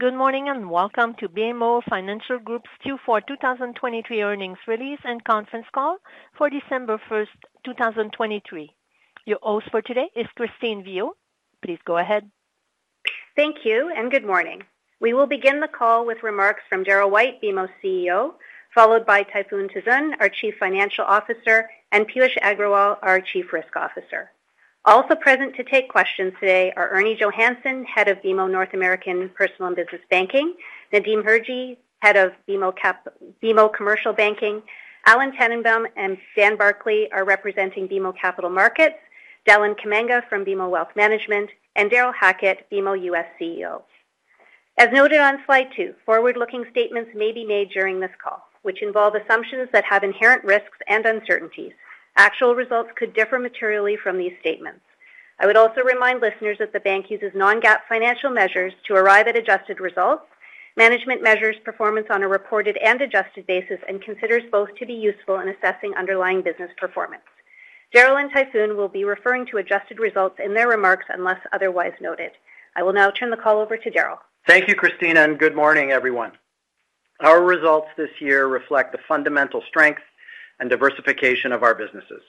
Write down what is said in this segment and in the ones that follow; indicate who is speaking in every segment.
Speaker 1: Good morning, and welcome to BMO Financial Group's Q4 2023 Earnings Release and Conference Call for December 1, 2023. Your host for today is Christine Viau. Please go ahead.
Speaker 2: Thank you, and good morning. We will begin the call with remarks from Darryl White, BMO's CEO, followed by Tayfun Tuzun, our Chief Financial Officer, and Piyush Agrawal, our Chief Risk Officer. Also present to take questions today are Ernie Johannson, Head of BMO North American Personal & Business Banking, Nadim Hirji, Head of BMO Commercial Banking, Alan Tannenbaum and Dan Barclay are representing BMO Capital Markets, Deland Kamanga from BMO Wealth Management, and Darrel Hackett, BMO U.S. CEO. As noted on Slide 2, forward-looking statements may be made during this call, which involve assumptions that have inherent risks and uncertainties. Actual results could differ materially from these statements. I would also remind listeners that the bank uses non-GAAP financial measures to arrive at adjusted results. Management measures performance on a reported and adjusted basis and considers both to be useful in assessing underlying business performance. Darryl and Tayfun will be referring to adjusted results in their remarks, unless otherwise noted. I will now turn the call over to Darryl.
Speaker 3: Thank you, Christine, and good morning, everyone. Our results this year reflect the fundamental strength and diversification of our businesses,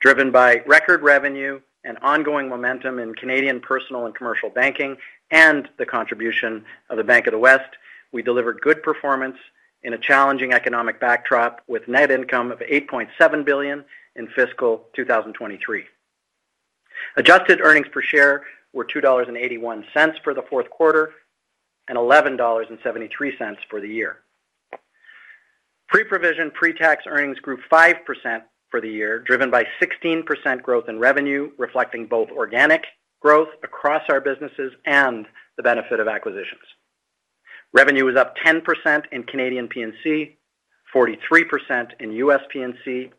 Speaker 3: driven by record revenue and ongoing momentum in Canadian personal and commercial banking and the contribution of the Bank of the West. We delivered good performance in a challenging economic backdrop with net income of 8.7 billion in fiscal 2023. Adjusted earnings per share were 2.81 dollars for the fourth quarter and 11.73 dollars for the year. Pre-provision, pre-tax earnings grew 5% for the year, driven by 16% growth in revenue, reflecting both organic growth across our businesses and the benefit of acquisitions. Revenue was up 10% in Canadian P&C, 43% in U.S. P&C,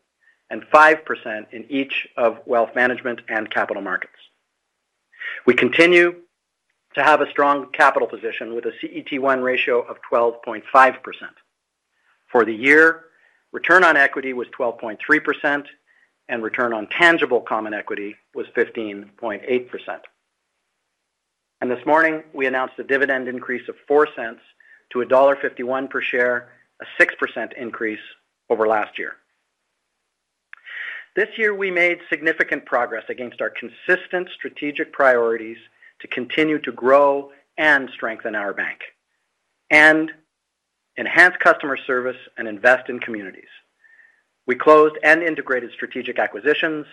Speaker 3: and 5% in each of wealth management and capital markets. We continue to have a strong capital position with a CET1 ratio of 12.5%. For the year, return on equity was 12.3%, and return on tangible common equity was 15.8%. This morning, we announced a dividend increase of 0.04-1.51 dollar per share, a 6% increase over last year. This year, we made significant progress against our consistent strategic priorities to continue to grow and strengthen our bank and enhance customer service and invest in communities. We closed and integrated strategic acquisitions,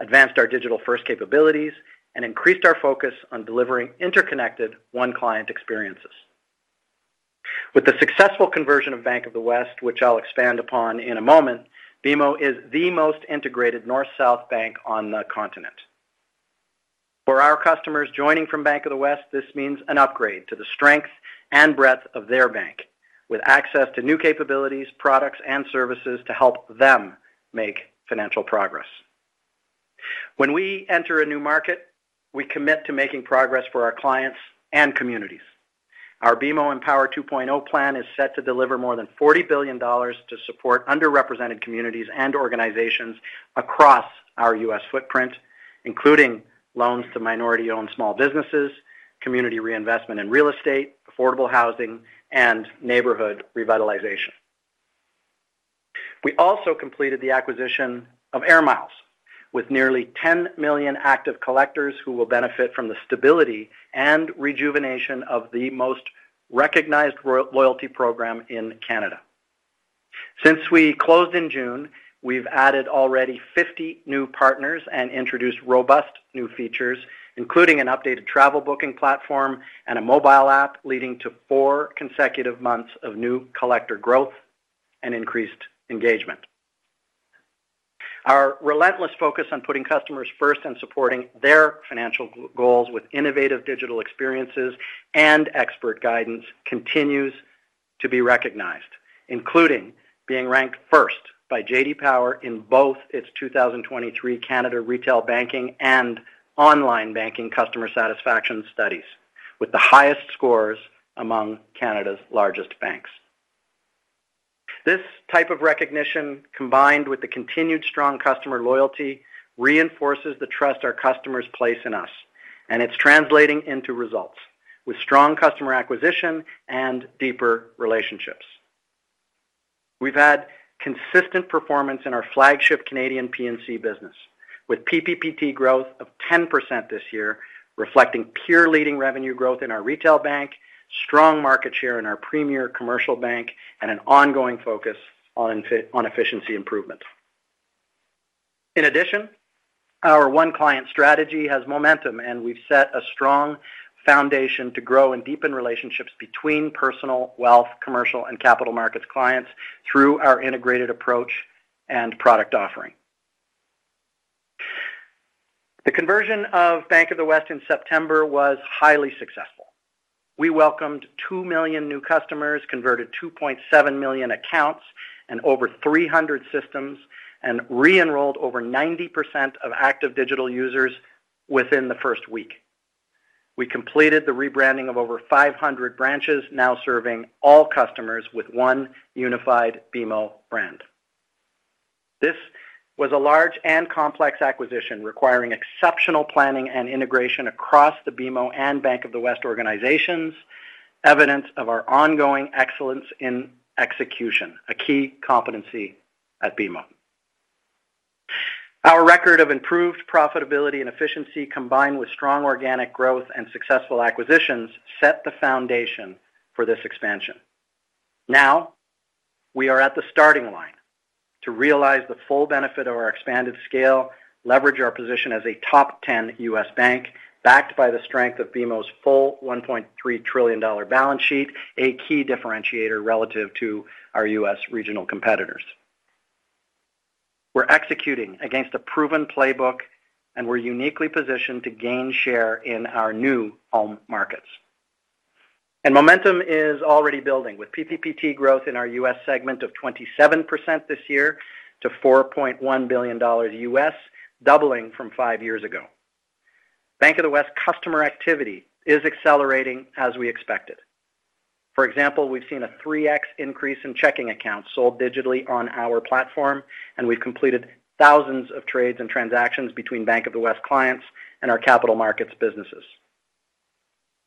Speaker 3: advanced our digital-first capabilities, and increased our focus on delivering interconnected one client experiences. With the successful conversion of Bank of the West, which I'll expand upon in a moment, BMO is the most integrated North-South bank on the continent. For our customers joining from Bank of the West, this means an upgrade to the strength and breadth of their bank, with access to new capabilities, products, and services to help them make financial progress. When we enter a new market, we commit to making progress for our clients and communities. Our BMO EMpower 2.0 plan is set to deliver more than $40 billion to support underrepresented communities and organizations across our U.S. footprint, including loans to minority-owned small businesses, community reinvestment in real estate, affordable housing, and neighborhood revitalization. We also completed the acquisition of AIR MILES, with nearly 10 million active collectors who will benefit from the stability and rejuvenation of the most recognized loyalty program in Canada. Since we closed in June, we've added already 50 new partners and introduced robust new features, including an updated travel booking platform and a mobile app, leading to four consecutive months of new collector growth and increased engagement. Our relentless focus on putting customers first and supporting their financial goals with innovative digital experiences and expert guidance continues to be recognized, including being ranked first by J.D. Power in both its 2023 Canada Retail Banking and Online Banking Customer Satisfaction studies, with the highest scores among Canada's largest banks. This type of recognition, combined with the continued strong customer loyalty, reinforces the trust our customers place in us, and it's translating into results with strong customer acquisition and deeper relationships. We've had consistent performance in our flagship Canadian P&C business, with PPPT growth of 10% this year, reflecting pure leading revenue growth in our retail bank, strong market share in our premier commercial bank, and an ongoing focus on efficiency improvement. In addition, our One Client strategy has momentum, and we've set a strong foundation to grow and deepen relationships between personal, wealth, commercial, and capital markets clients through our integrated approach and product offering. The conversion of Bank of the West in September was highly successful. We welcomed 2 million new customers, converted 2.7 million accounts and over 300 systems, and re-enrolled over 90% of active digital users within the first week. We completed the rebranding of over 500 branches, now serving all customers with one unified BMO brand.... This was a large and complex acquisition, requiring exceptional planning and integration across the BMO and Bank of the West organizations, evidence of our ongoing excellence in execution, a key competency at BMO. Our record of improved profitability and efficiency, combined with strong organic growth and successful acquisitions, set the foundation for this expansion. Now, we are at the starting line to realize the full benefit of our expanded scale, leverage our position as a top 10 U.S. bank, backed by the strength of BMO's full $1.3 trillion dollar balance sheet, a key differentiator relative to our U.S. regional competitors. We're executing against a proven playbook, and we're uniquely positioned to gain share in our new home markets. And momentum is already building, with PPPT growth in our U.S. segment of 27% this year to $4.1 billion, doubling from 5 years ago. Bank of the West customer activity is accelerating as we expected. For example, we've seen a 3x increase in checking accounts sold digitally on our platform, and we've completed thousands of trades and transactions between Bank of the West clients and our capital markets businesses.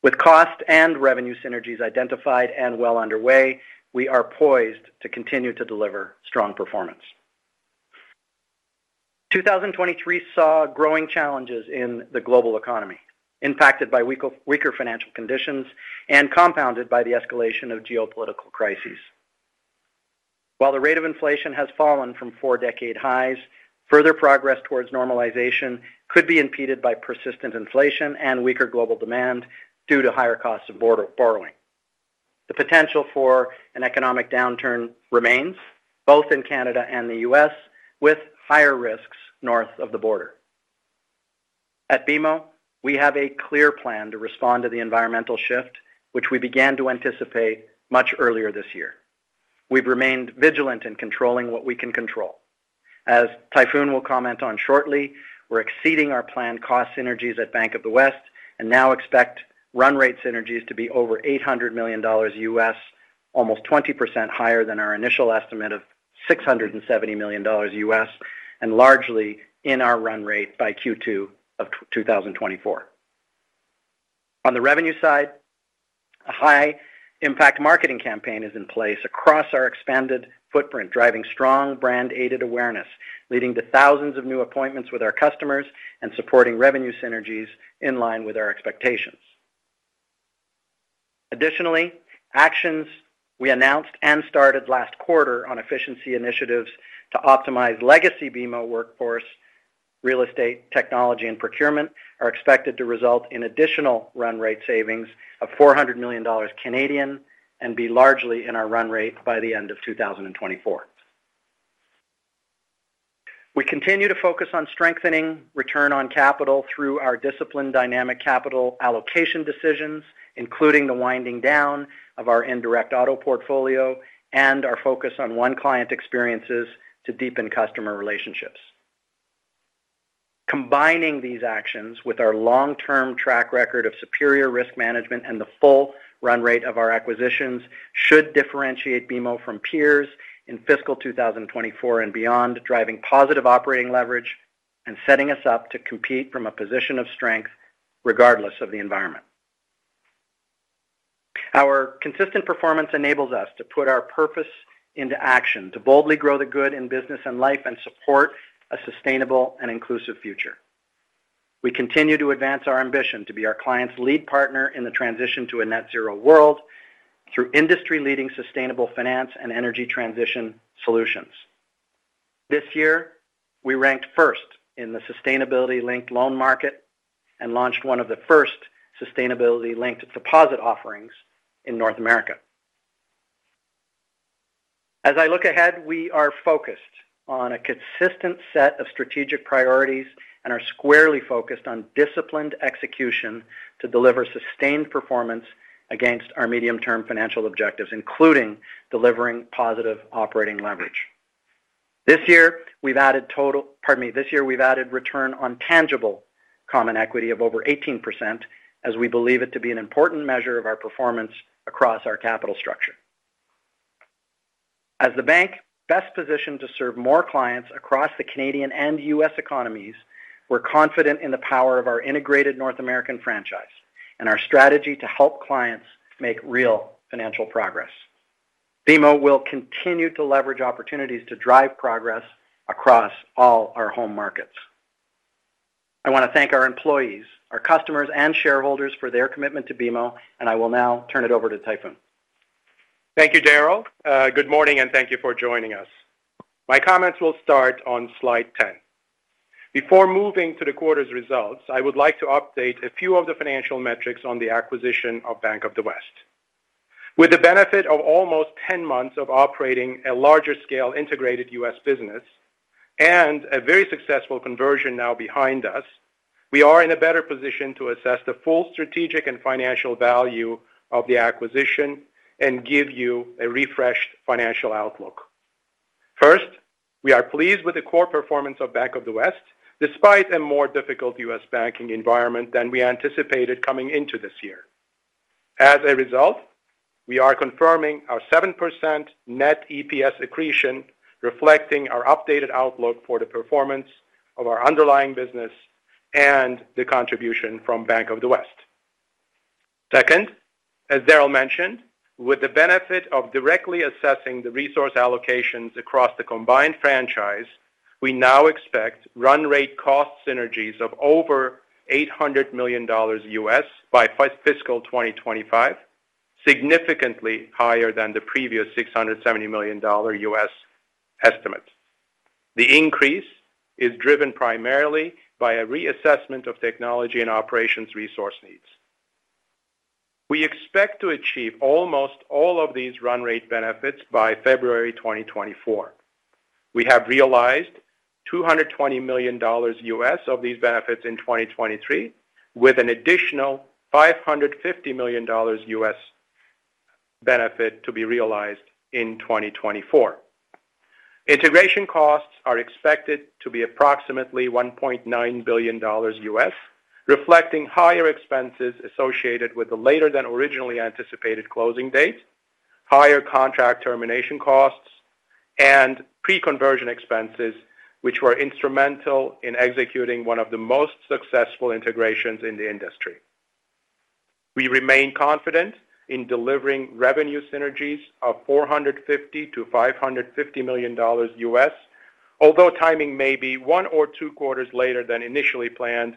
Speaker 3: With cost and revenue synergies identified and well underway, we are poised to continue to deliver strong performance. 2023 saw growing challenges in the global economy, impacted by weaker financial conditions and compounded by the escalation of geopolitical crises. While the rate of inflation has fallen from four-decade highs, further progress towards normalization could be impeded by persistent inflation and weaker global demand due to higher costs of border-borrowing. The potential for an economic downturn remains, both in Canada and the U.S., with higher risks north of the border. At BMO, we have a clear plan to respond to the environmental shift, which we began to anticipate much earlier this year. We've remained vigilant in controlling what we can control. As Tayfun will comment on shortly, we're exceeding our planned cost synergies at Bank of the West and now expect run rate synergies to be over $800 million, almost 20% higher than our initial estimate of $670 million, and largely in our run rate by Q2 of 2024. On the revenue side, a high impact marketing campaign is in place across our expanded footprint, driving strong brand-aided awareness, leading to thousands of new appointments with our customers and supporting revenue synergies in line with our expectations. Additionally, actions we announced and started last quarter on efficiency initiatives to optimize legacy BMO workforce, real estate, technology, and procurement, are expected to result in additional run rate savings of 400 million Canadian dollars and be largely in our run rate by the end of 2024. We continue to focus on strengthening return on capital through our disciplined dynamic capital allocation decisions, including the winding down of our indirect auto portfolio and our focus on one client experiences to deepen customer relationships. Combining these actions with our long-term track record of superior risk management and the full run rate of our acquisitions should differentiate BMO from peers in fiscal 2024 and beyond, driving positive operating leverage and setting us up to compete from a position of strength, regardless of the environment. Our consistent performance enables us to put our purpose into action, to boldly grow the good in business and life, and support a sustainable and inclusive future. We continue to advance our ambition to be our client's lead partner in the transition to a net zero world through industry-leading sustainable finance and energy transition solutions. This year, we ranked first in the sustainability-linked loan market and launched one of the first sustainability-linked deposit offerings in North America. As I look ahead, we are focused on a consistent set of strategic priorities and are squarely focused on disciplined execution to deliver sustained performance against our medium-term financial objectives, including delivering positive operating leverage. This year, we've added - pardon me, this year, we've added return on tangible common equity of over 18%, as we believe it to be an important measure of our performance across our capital structure. As the bank best positioned to serve more clients across the Canadian and U.S. economies, we're confident in the power of our integrated North American franchise and our strategy to help clients make real financial progress. BMO will continue to leverage opportunities to drive progress across all our home markets. I want to thank our employees, our customers, and shareholders for their commitment to BMO, and I will now turn it over to Tayfun.
Speaker 4: Thank you, Darryl. Good morning, and thank you for joining us. My comments will start on Slide 10. Before moving to the quarter's results, I would like to update a few of the financial metrics on the acquisition of Bank of the West. With the benefit of almost 10 months of operating a larger scale integrated U.S. business and a very successful conversion now behind us, we are in a better position to assess the full strategic and financial value of the acquisition and give you a refreshed financial outlook. First, we are pleased with the core performance of Bank of the West, despite a more difficult U.S. banking environment than we anticipated coming into this year.... As a result, we are confirming our 7% net EPS accretion, reflecting our updated outlook for the performance of our underlying business and the contribution from Bank of the West. Second, as Darryl mentioned, with the benefit of directly assessing the resource allocations across the combined franchise, we now expect run rate cost synergies of over $800 million by fiscal 2025, significantly higher than the previous $670 million estimate. The increase is driven primarily by a reassessment of technology and operations resource needs. We expect to achieve almost all of these run rate benefits by February 2024. We have realized $220 million of these benefits in 2023, with an additional $550 million benefit to be realized in 2024. Integration costs are expected to be approximately $1.9 billion, reflecting higher expenses associated with the later than originally anticipated closing date, higher contract termination costs, and pre-conversion expenses, which were instrumental in executing one of the most successful integrations in the industry. We remain confident in delivering revenue synergies of $450 million-$550 million, although timing may be one or two quarters later than initially planned,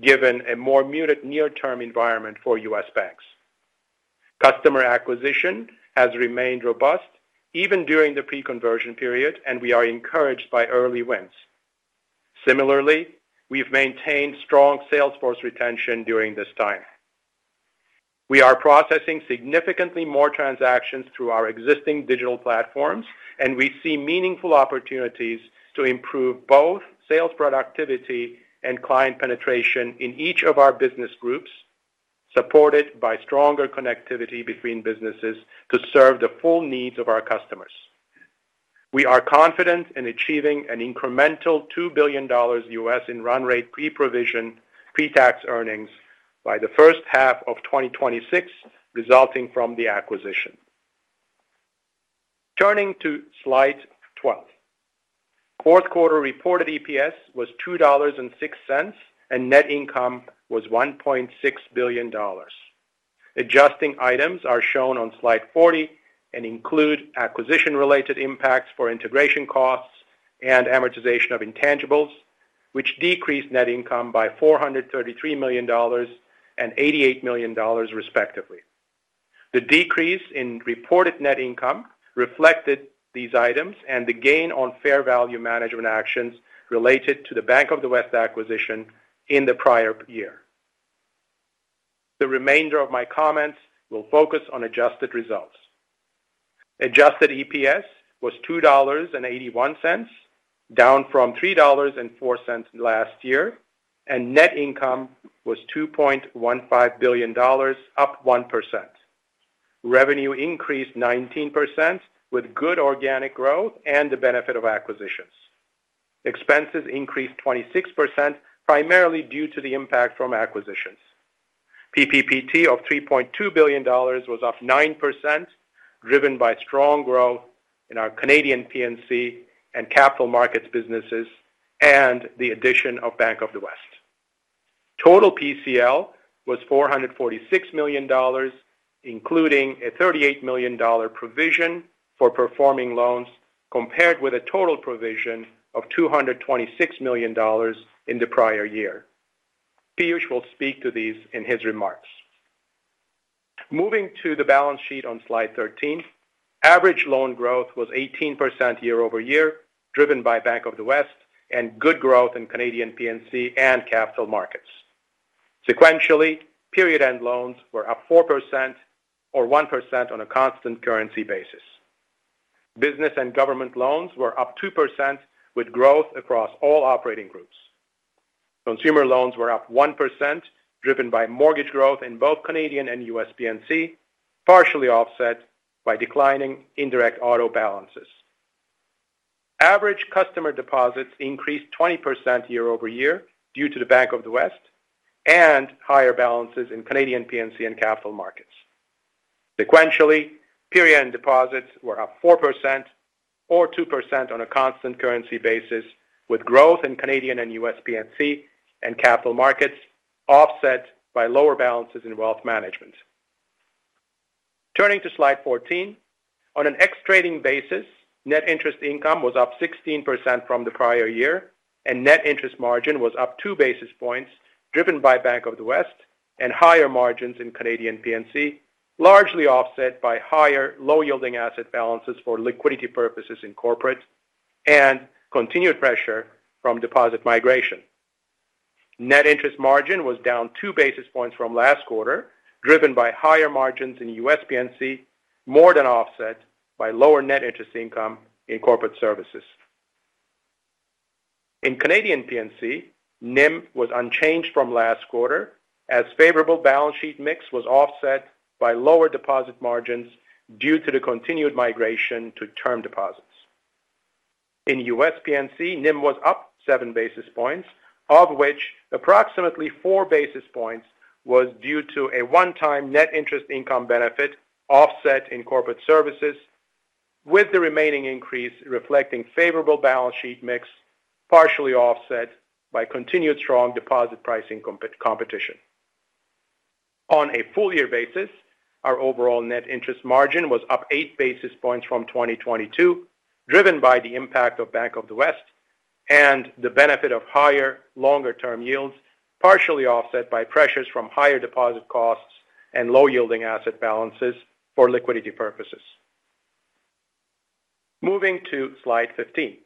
Speaker 4: given a more muted near-term environment for U.S. banks. Customer acquisition has remained robust even during the pre-conversion period, and we are encouraged by early wins. Similarly, we've maintained strong sales force retention during this time. We are processing significantly more transactions through our existing digital platforms, and we see meaningful opportunities to improve both sales productivity and client penetration in each of our business groups, supported by stronger connectivity between businesses to serve the full needs of our customers. We are confident in achieving an incremental $2 billion in run rate pre-provision, pre-tax earnings by the first half of 2026, resulting from the acquisition. Turning to Slide 12. Fourth quarter reported EPS was $2.06, and net income was $1.6 billion. Adjusting items are shown on slide 40 and include acquisition-related impacts for integration costs and amortization of intangibles, which decreased net income by $433 million and $88 million, respectively. The decrease in reported net income reflected these items, and the gain on fair value management actions related to the Bank of the West acquisition in the prior year. The remainder of my comments will focus on adjusted results. Adjusted EPS was 2.81 dollars, down from 3.04 dollars last year, and net income was 2.15 billion dollars, up 1%. Revenue increased 19%, with good organic growth and the benefit of acquisitions. Expenses increased 26%, primarily due to the impact from acquisitions. PPPT of 3.2 billion dollars was up 9%, driven by strong growth in our Canadian PNC and capital markets businesses, and the addition of Bank of the West. Total PCL was 446 million dollars, including a 38 million dollar provision for performing loans, compared with a total provision of 226 million dollars in the prior year. Piyush will speak to these in his remarks. Moving to the balance sheet on Slide 13, average loan growth was 18% year-over-year, driven by Bank of the West and good growth in Canadian PNC and capital markets. Sequentially, period-end loans were up 4% or 1% on a constant currency basis. Business and government loans were up 2%, with growth across all operating groups. Consumer loans were up 1%, driven by mortgage growth in both Canadian and US PNC, partially offset by declining indirect auto balances. Average customer deposits increased 20% year-over-year due to the Bank of the West and higher balances in Canadian PNC and capital markets. Sequentially, period-end deposits were up 4% or 2% on a constant currency basis, with growth in Canadian and U.S. PNC and capital markets offset by lower balances in wealth management. Turning to Slide 14. On an X trading basis, net interest income was up 16% from the prior year, and net interest margin was up 2 basis points, driven by Bank of the West and higher margins in Canadian PNC, largely offset by higher low-yielding asset balances for liquidity purposes in corporate and continued pressure from deposit migration. Net interest margin was down 2 basis points from last quarter, driven by higher margins in U.S. PNC, more than offset by lower net interest income in corporate services. In Canadian PNC, NIM was unchanged from last quarter, as favorable balance sheet mix was offset by lower deposit margins due to the continued migration to term deposits. In US PNC, NIM was up 7 basis points, of which approximately 4 basis points was due to a one-time net interest income benefit offset in corporate services, with the remaining increase reflecting favorable balance sheet mix, partially offset by continued strong deposit pricing competition. On a full year basis, our overall net interest margin was up 8 basis points from 2022, driven by the impact of Bank of the West and the benefit of higher, longer-term yields, partially offset by pressures from higher deposit costs and low yielding asset balances for liquidity purposes. Moving to Slide 15.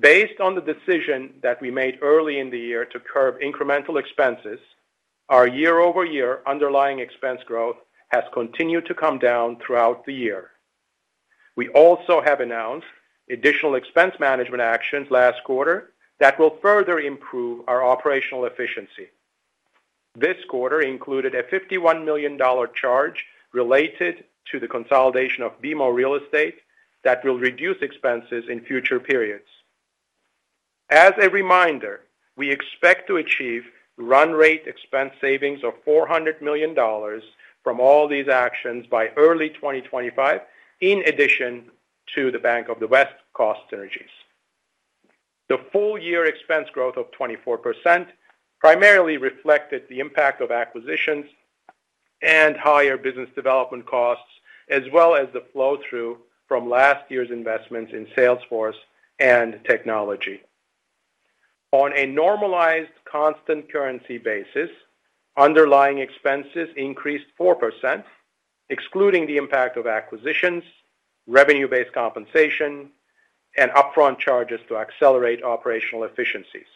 Speaker 4: Based on the decision that we made early in the year to curb incremental expenses, our year-over-year underlying expense growth has continued to come down throughout the year. We also have announced additional expense management actions last quarter that will further improve our operational efficiency. This quarter included a $51 million charge related to the consolidation of BMO Real Estate that will reduce expenses in future periods. As a reminder, we expect to achieve run rate expense savings of $400 million from all these actions by early 2025, in addition to the Bank of the West cost synergies. The full year expense growth of 24% primarily reflected the impact of acquisitions and higher business development costs, as well as the flow-through from last year's investments in Salesforce and technology. On a normalized constant currency basis, underlying expenses increased 4%, excluding the impact of acquisitions, revenue-based compensation, and upfront charges to accelerate operational efficiencies.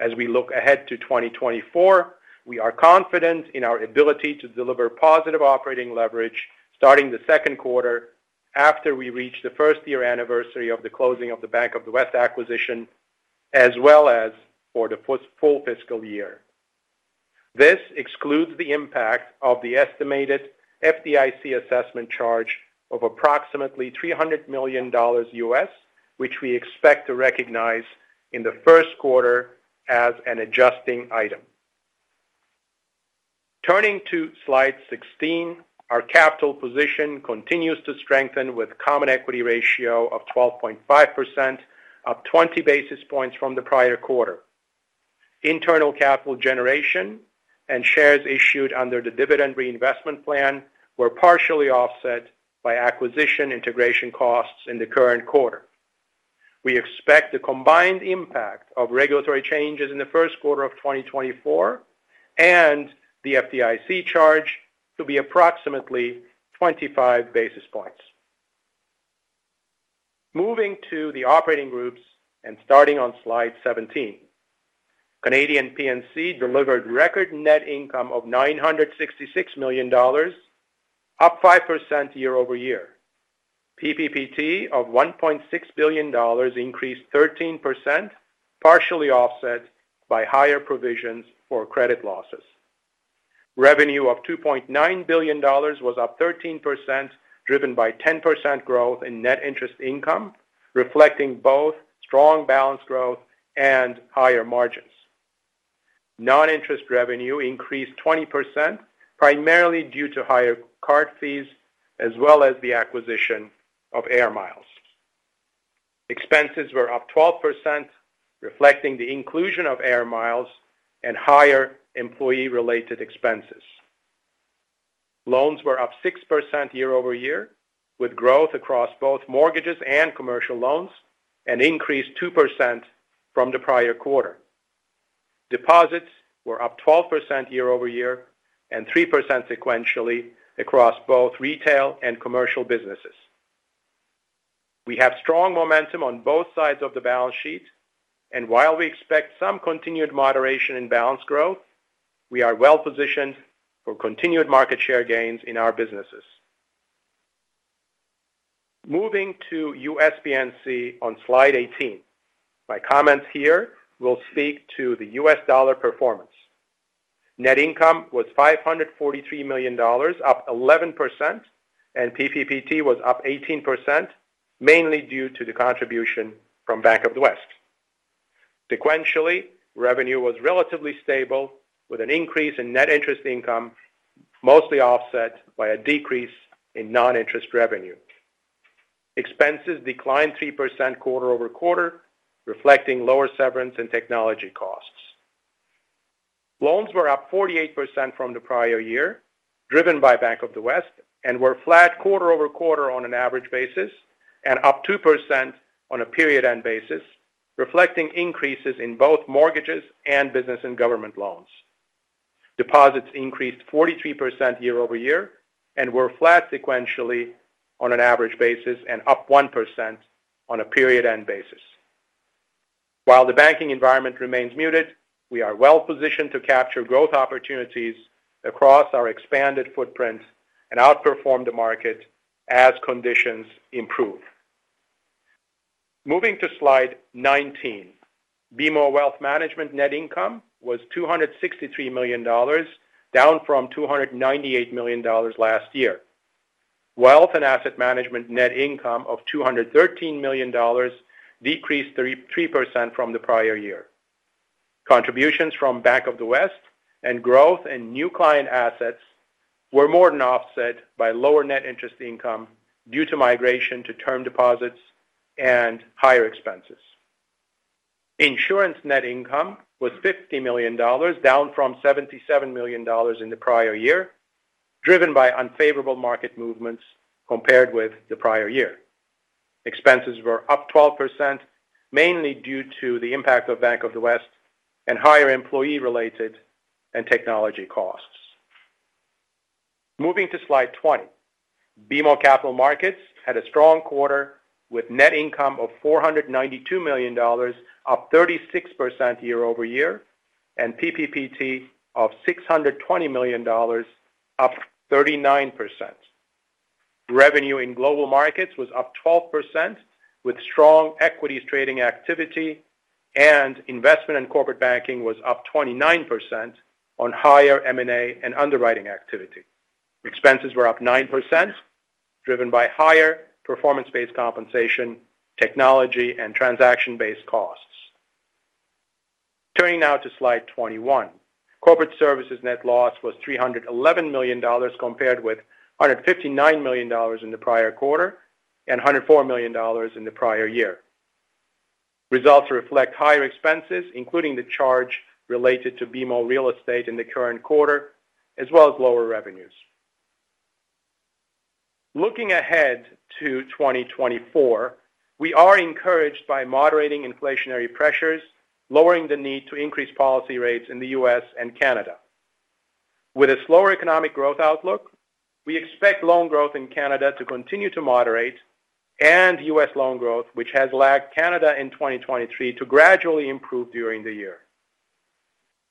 Speaker 4: As we look ahead to 2024, we are confident in our ability to deliver positive operating leverage starting the second quarter, after we reach the first year anniversary of the closing of the Bank of the West acquisition, as well as for the full fiscal year. This excludes the impact of the estimated FDIC assessment charge of approximately $300 million, which we expect to recognize in the first quarter as an adjusting item. Turning to Slide 16, our capital position continues to strengthen with common equity ratio of 12.5%, up 20 basis points from the prior quarter. Internal capital generation and shares issued under the dividend reinvestment plan were partially offset by acquisition integration costs in the current quarter. We expect the combined impact of regulatory changes in the first quarter of 2024 and the FDIC charge to be approximately 25 basis points. Moving to the operating groups and starting on Slide 17. Canadian P&C delivered record net income of 966 million dollars, up 5% year-over-year. PPPT of 1.6 billion dollars increased 13%, partially offset by higher provisions for credit losses. Revenue of 2.9 billion dollars was up 13%, driven by 10% growth in net interest income, reflecting both strong balance growth and higher margins. Non-interest revenue increased 20%, primarily due to higher card fees, as well as the acquisition of AIR MILES. Expenses were up 12%, reflecting the inclusion of AIR MILES and higher employee-related expenses. Loans were up 6% year-over-year, with growth across both mortgages and commercial loans, and increased 2% from the prior quarter. Deposits were up 12% year-over-year and 3% sequentially across both retail and commercial businesses. We have strong momentum on both sides of the balance sheet, and while we expect some continued moderation in balance growth, we are well positioned for continued market share gains in our businesses. Moving to U.S. P&B on Slide 18. My comments here will speak to the U.S. dollar performance. Net income was $543 million, up 11%, and PPPT was up 18%, mainly due to the contribution from Bank of the West. Sequentially, revenue was relatively stable, with an increase in net interest income, mostly offset by a decrease in non-interest revenue. Expenses declined 3% quarter-over-quarter, reflecting lower severance and technology costs. Loans were up 48% from the prior year, driven by Bank of the West, and were flat quarter-over-quarter on an average basis and up 2% on a period-end basis, reflecting increases in both mortgages and business and government loans. Deposits increased 43% year-over-year and were flat sequentially on an average basis, and up 1% on a period-end basis. While the banking environment remains muted, we are well positioned to capture growth opportunities across our expanded footprint and outperform the market as conditions improve. Moving to Slide 19.... BMO Wealth Management net income was 263 million dollars, down from 298 million dollars last year. Wealth and asset management net income of 213 million dollars decreased 33% from the prior year. Contributions from Bank of the West and growth in new client assets were more than offset by lower net interest income due to migration to term deposits and higher expenses. Insurance net income was 50 million dollars, down from 77 million dollars in the prior year, driven by unfavorable market movements compared with the prior year. Expenses were up 12%, mainly due to the impact of Bank of the West and higher employee-related and technology costs. Moving to Slide 20. BMO Capital Markets had a strong quarter, with net income of 492 million dollars, up 36% year-over-year, and PPPT of 620 million dollars, up 39%. Revenue in global markets was up 12%, with strong equities trading activity, and investment in corporate banking was up 29% on higher M&A and underwriting activity. Expenses were up 9%, driven by higher performance-based compensation, technology, and transaction-based costs. Turning now to Slide 21. Corporate services net loss was 311 million dollars, compared with 159 million dollars in the prior quarter, and 104 million dollars in the prior year. Results reflect higher expenses, including the charge related to BMO Real Estate in the current quarter, as well as lower revenues. Looking ahead to 2024, we are encouraged by moderating inflationary pressures, lowering the need to increase policy rates in the U.S. and Canada. With a slower economic growth outlook, we expect loan growth in Canada to continue to moderate, and U.S. loan growth, which has lagged Canada in 2023, to gradually improve during the year.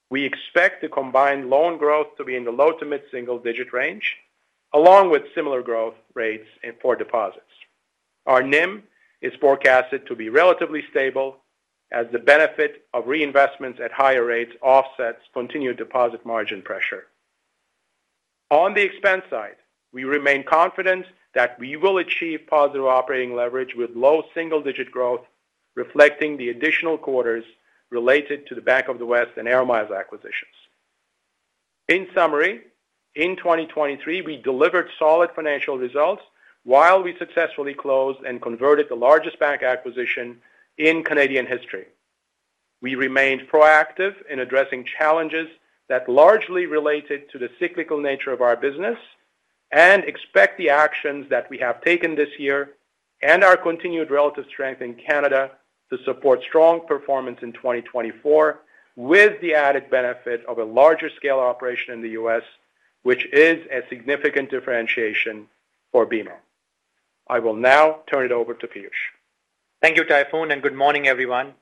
Speaker 4: We expect the combined loan growth to be in the low to mid-single-digit range, along with similar growth rates in for deposits. Our NIM is forecasted to be relatively stable as the benefit of reinvestments at higher rates offsets continued deposit margin pressure. On the expense side, we remain confident that we will achieve positive operating leverage with low single-digit growth, reflecting the additional quarters related to the Bank of the West and AIR MILES acquisitions. In summary, in 2023, we delivered solid financial results while we successfully closed and converted the largest bank acquisition in Canadian history. We remained proactive in addressing challenges that largely related to the cyclical nature of our business and expect the actions that we have taken this year and our continued relative strength in Canada to support strong performance in 2024, with the added benefit of a larger scale operation in the U.S., which is a significant differentiation for BMO. I will now turn it over to Piyush.
Speaker 5: Thank you, Tayfun, and good morning, everyone.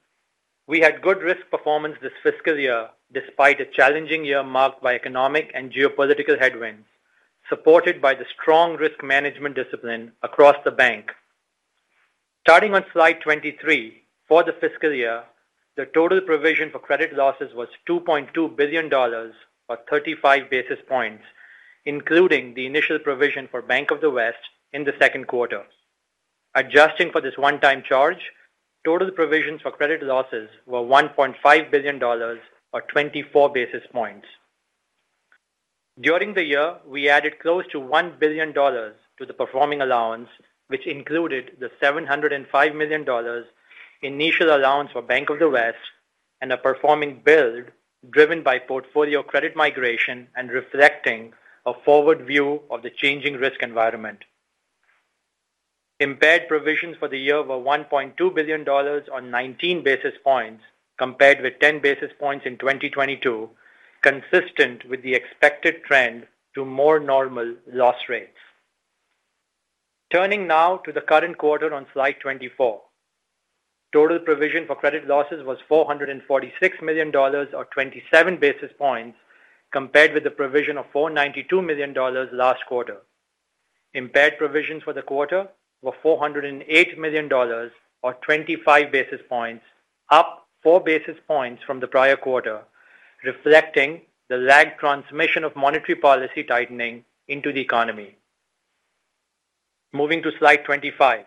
Speaker 5: We had good risk performance this fiscal year, despite a challenging year marked by economic and geopolitical headwinds, supported by the strong risk management discipline across the bank. Starting on Slide 23, for the fiscal year, the total provision for credit losses was 2.2 billion dollars, or 35 basis points, including the initial provision for Bank of the West in the second quarter. Adjusting for this one-time charge, total provisions for credit losses were 1.5 billion dollars, or 24 basis points. During the year, we added close to 1 billion dollars to the performing allowance, which included the 705 million dollars initial allowance for Bank of the West and a performing build driven by portfolio credit migration and reflecting a forward view of the changing risk environment. Impaired provisions for the year were 1.2 billion dollars on 19 basis points, compared with 10 basis points in 2022, consistent with the expected trend to more normal loss rates. Turning now to the current quarter on Slide 24. Total provision for credit losses was 446 million dollars, or 27 basis points, compared with the provision of 492 million dollars last quarter. Impaired provisions for the quarter were 408 million dollars, or 25 basis points, up 4 basis points from the prior quarter, reflecting the lagged transmission of monetary policy tightening into the economy. Moving to slide 25.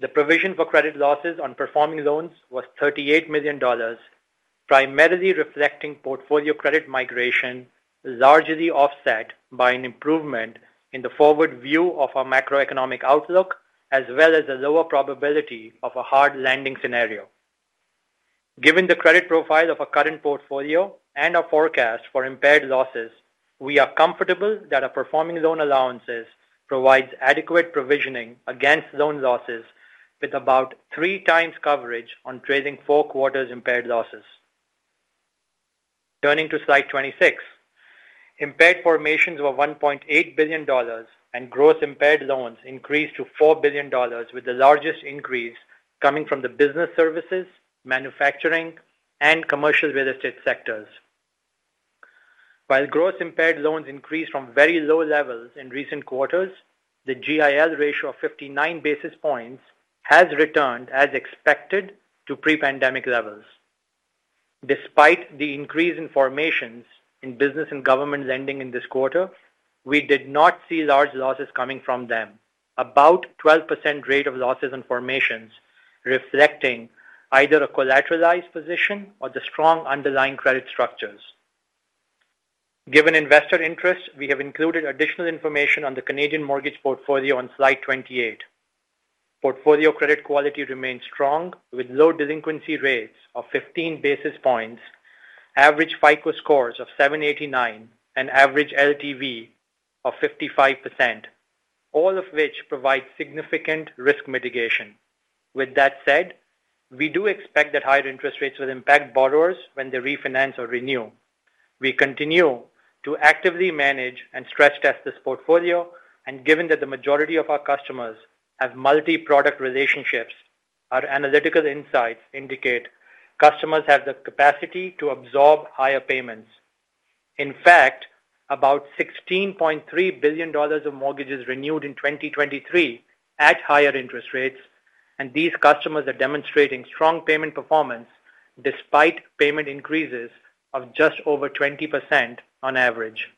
Speaker 5: The provision for credit losses on performing loans was 38 million dollars, primarily reflecting portfolio credit migration, largely offset by an improvement in the forward view of our macroeconomic outlook, as well as a lower probability of a hard landing scenario. Given the credit profile of our current portfolio and our forecast for impaired losses, we are comfortable that our performing loan allowances provides adequate provisioning against loan losses, with about three times coverage on trailing four quarters impaired losses. Turning to Slide 26. Impaired formations were 1.8 billion dollars, and gross impaired loans increased to 4 billion dollars, with the largest increase coming from the business services, manufacturing, and commercial real estate sectors. While gross impaired loans increased from very low levels in recent quarters, the GIL ratio of 59 basis points has returned as expected to pre-pandemic levels. Despite the increase in formations in business and government lending in this quarter, we did not see large losses coming from them. About 12% rate of losses and formations reflecting either a collateralized position or the strong underlying credit structures. Given investor interest, we have included additional information on the Canadian mortgage portfolio on slide 28. Portfolio credit quality remains strong, with low delinquency rates of 15 basis points, average FICO scores of 789, and average LTV of 55%, all of which provide significant risk mitigation. With that said, we do expect that higher interest rates will impact borrowers when they refinance or renew. We continue to actively manage and stress test this portfolio, and given that the majority of our customers have multi-product relationships, our analytical insights indicate customers have the capacity to absorb higher payments. In fact, about 16.3 billion dollars of mortgages renewed in 2023 at higher interest rates, and these customers are demonstrating strong payment performance despite payment increases of just over 20% on average.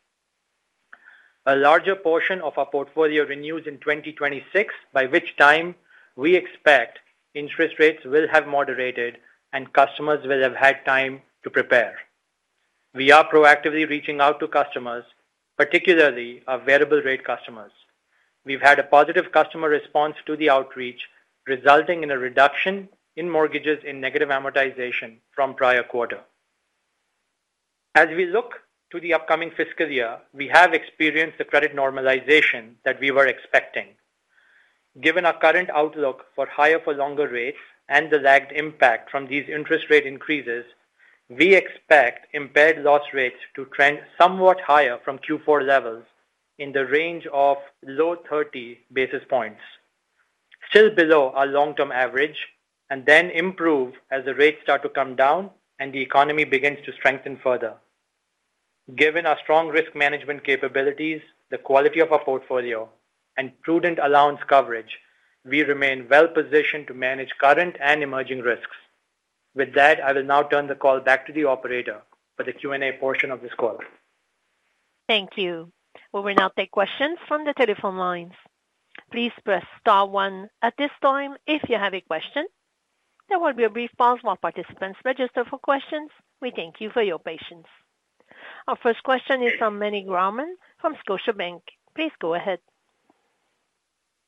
Speaker 5: A larger portion of our portfolio renews in 2026, by which time we expect interest rates will have moderated and customers will have had time to prepare. We are proactively reaching out to customers, particularly our variable rate customers. We've had a positive customer response to the outreach, resulting in a reduction in mortgages in negative amortization from prior quarter. As we look to the upcoming fiscal year, we have experienced the credit normalization that we were expecting. Given our current outlook for higher for longer rates and the lagged impact from these interest rate increases, we expect impaired loss rates to trend somewhat higher from Q4 levels in the range of low 30 basis points, still below our long-term average, and then improve as the rates start to come down and the economy begins to strengthen further. Given our strong risk management capabilities, the quality of our portfolio, and prudent allowance coverage, we remain well positioned to manage current and emerging risks. With that, I will now turn the call back to the operator for the Q&A portion of this call.
Speaker 1: Thank you. We will now take questions from the telephone lines. Please press star one at this time if you have a question. There will be a brief pause while participants register for questions. We thank you for your patience. Our first question is from Meny Grauman from Scotiabank. Please go ahead.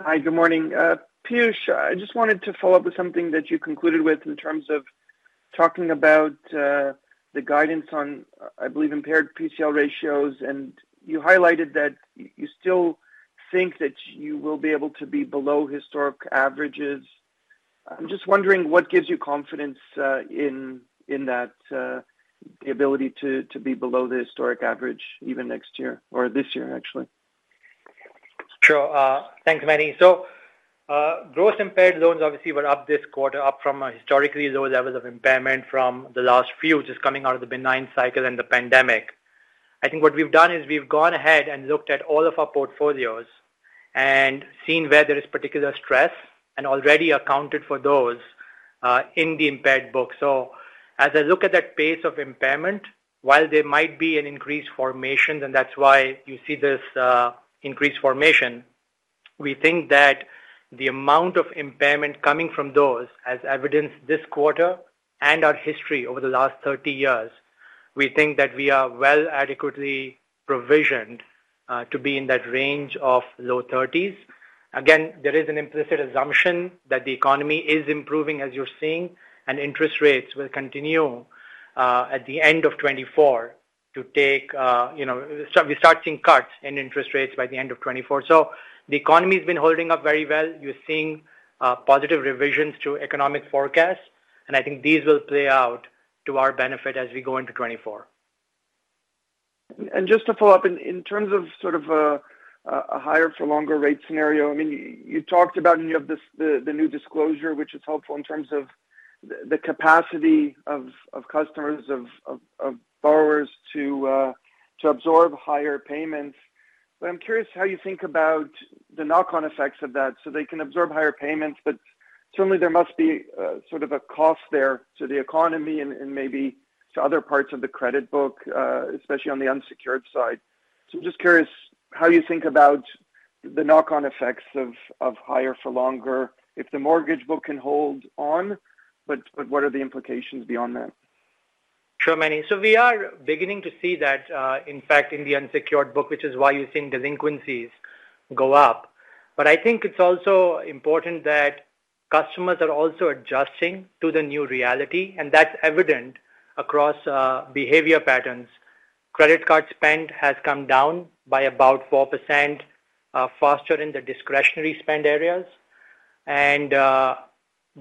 Speaker 6: Hi, good morning. Piyush, I just wanted to follow up with something that you concluded with in terms of talking about, the guidance on, I believe, impaired PCL ratios, and you highlighted that you still think that you will be able to be below historic averages. I'm just wondering what gives you confidence, in, in that, the ability to, to be below the historic average even next year or this year, actually?
Speaker 5: Sure. Thanks, Meny. So, gross impaired loans obviously were up this quarter, up from a historically low levels of impairment from the last few, just coming out of the benign cycle and the pandemic. I think what we've done is we've gone ahead and looked at all of our portfolios and seen where there is particular stress and already accounted for those in the impaired book. So as I look at that pace of impairment, while there might be an increased formation, and that's why you see this increased formation, we think that the amount of impairment coming from those, as evidenced this quarter and our history over the last 30 years, we think that we are well adequately provisioned to be in that range of low thirties. Again, there is an implicit assumption that the economy is improving, as you're seeing, and interest rates will continue, at the end of 2024 to take, you know, so we start seeing cuts in interest rates by the end of 2024. So the economy has been holding up very well. You're seeing, positive revisions to economic forecasts, and I think these will play out to our benefit as we go into 2024.
Speaker 6: Just to follow up, in terms of sort of a higher for longer rate scenario, I mean, you talked about and you have this, the new disclosure, which is helpful in terms of the capacity of customers, of borrowers to absorb higher payments. But I'm curious how you think about the knock-on effects of that so they can absorb higher payments, but certainly there must be sort of a cost there to the economy and maybe to other parts of the credit book, especially on the unsecured side. So I'm just curious how you think about the knock-on effects of higher for longer, if the mortgage book can hold on, but what are the implications beyond that?
Speaker 5: Sure, Meny. So we are beginning to see that, in fact, in the unsecured book, which is why you're seeing delinquencies go up. But I think it's also important that customers are also adjusting to the new reality, and that's evident across, behavior patterns. Credit card spend has come down by about 4%, faster in the discretionary spend areas, and...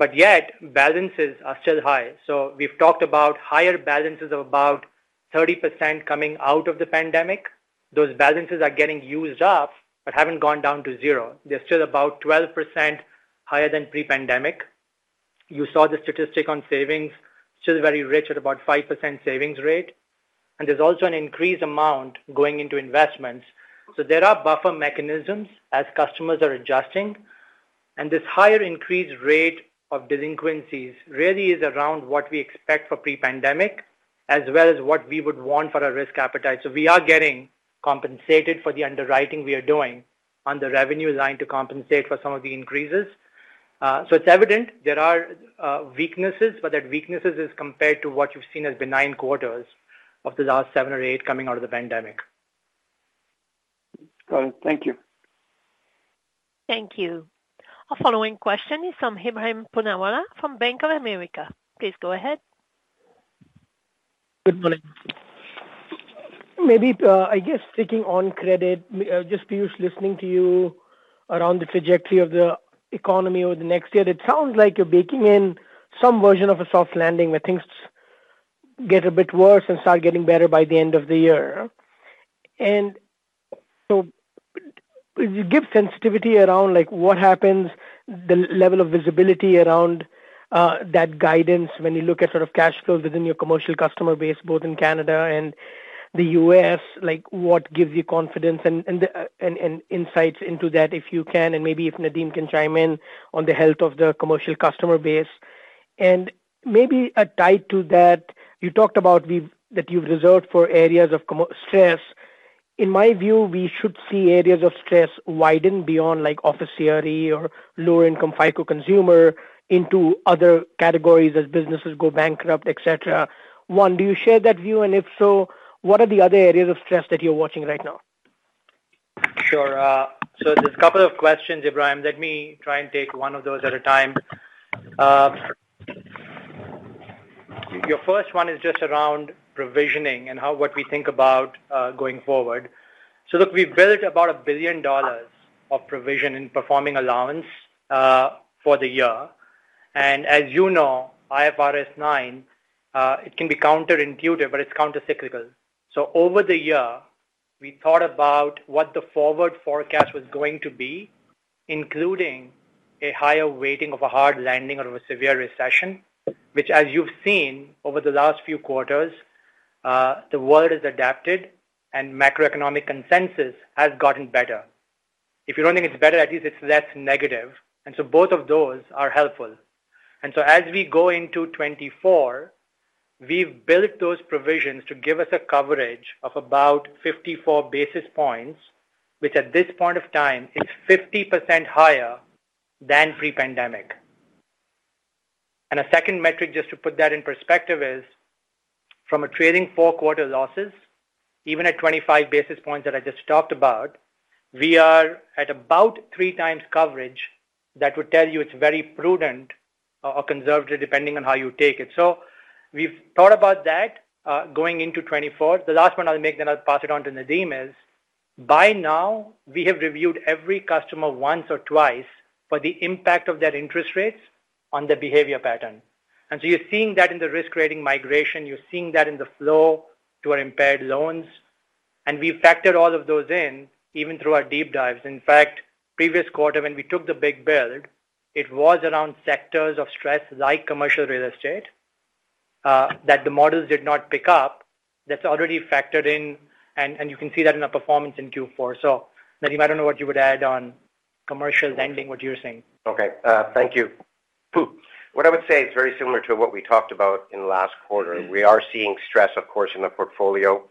Speaker 5: but yet balances are still high. So we've talked about higher balances of about 30% coming out of the pandemic. Those balances are getting used up, but haven't gone down to zero. They're still about 12% higher than pre-pandemic.... You saw the statistic on savings, still very rich at about 5% savings rate, and there's also an increased amount going into investments. So there are buffer mechanisms as customers are adjusting, and this higher increased rate of delinquencies really is around what we expect for pre-pandemic, as well as what we would want for our risk appetite. So we are getting compensated for the underwriting we are doing on the revenue line to compensate for some of the increases. So it's evident there are weaknesses, but that weaknesses is compared to what you've seen as benign quarters of the last seven or eight coming out of the pandemic.
Speaker 6: Got it. Thank you.
Speaker 1: Thank you. Our following question is from Ebrahim Poonawala from Bank of America. Please go ahead.
Speaker 7: Good morning. Maybe, I guess sticking on credit, just previous listening to you around the trajectory of the economy over the next year, it sounds like you're baking in some version of a soft landing, where things get a bit worse and start getting better by the end of the year. And so could you give sensitivity around, like, what happens, the level of visibility around, that guidance when you look at sort of cash flows within your commercial customer base, both in Canada and the US? Like, what gives you confidence and, and the, and, and insights into that, if you can, and maybe if Nadim can chime in on the health of the commercial customer base. And maybe, tied to that, you talked about that you've reserved for areas of commercial stress. In my view, we should see areas of stress widened beyond like office CRE or lower income FICO consumer into other categories as businesses go bankrupt, et cetera. One, do you share that view? And if so, what are the other areas of stress that you're watching right now?
Speaker 5: Sure. So there's a couple of questions, Ebrahim. Let me try and take one of those at a time. Your first one is just around provisioning and how-what we think about going forward. So look, we built about 1 billion dollars of provision in performing allowance for the year. And as you know, IFRS 9, it can be counterintuitive, but it's countercyclical. So over the year, we thought about what the forward forecast was going to be, including a higher weighting of a hard landing or of a severe recession, which, as you've seen over the last few quarters, the world has adapted and macroeconomic consensus has gotten better. If you don't think it's better, at least it's less negative, and so both of those are helpful. And so as we go into 2024, we've built those provisions to give us a coverage of about 54 basis points, which at this point of time, is 50% higher than pre-pandemic. A second metric, just to put that in perspective, is from a trailing four-quarter losses, even at 25 basis points that I just talked about, we are at about three times coverage. That would tell you it's very prudent or conservative, depending on how you take it. So we've thought about that, going into 2024. The last point I'll make, then I'll pass it on to Nadim, is by now we have reviewed every customer once or twice for the impact of their interest rates on their behavior pattern. And so you're seeing that in the risk-grading migration, you're seeing that in the flow to our impaired loans, and we've factored all of those in, even through our deep dives. In fact, previous quarter, when we took the big build, it was around sectors of stress, like commercial real estate, that the models did not pick up. That's already factored in, and, and you can see that in our performance in Q4. So Nadim, I don't know what you would add on commercial lending, what you're seeing.
Speaker 8: Okay, thank you. Poof! What I would say is very similar to what we talked about in the last quarter. We are seeing stress, of course, in the portfolio.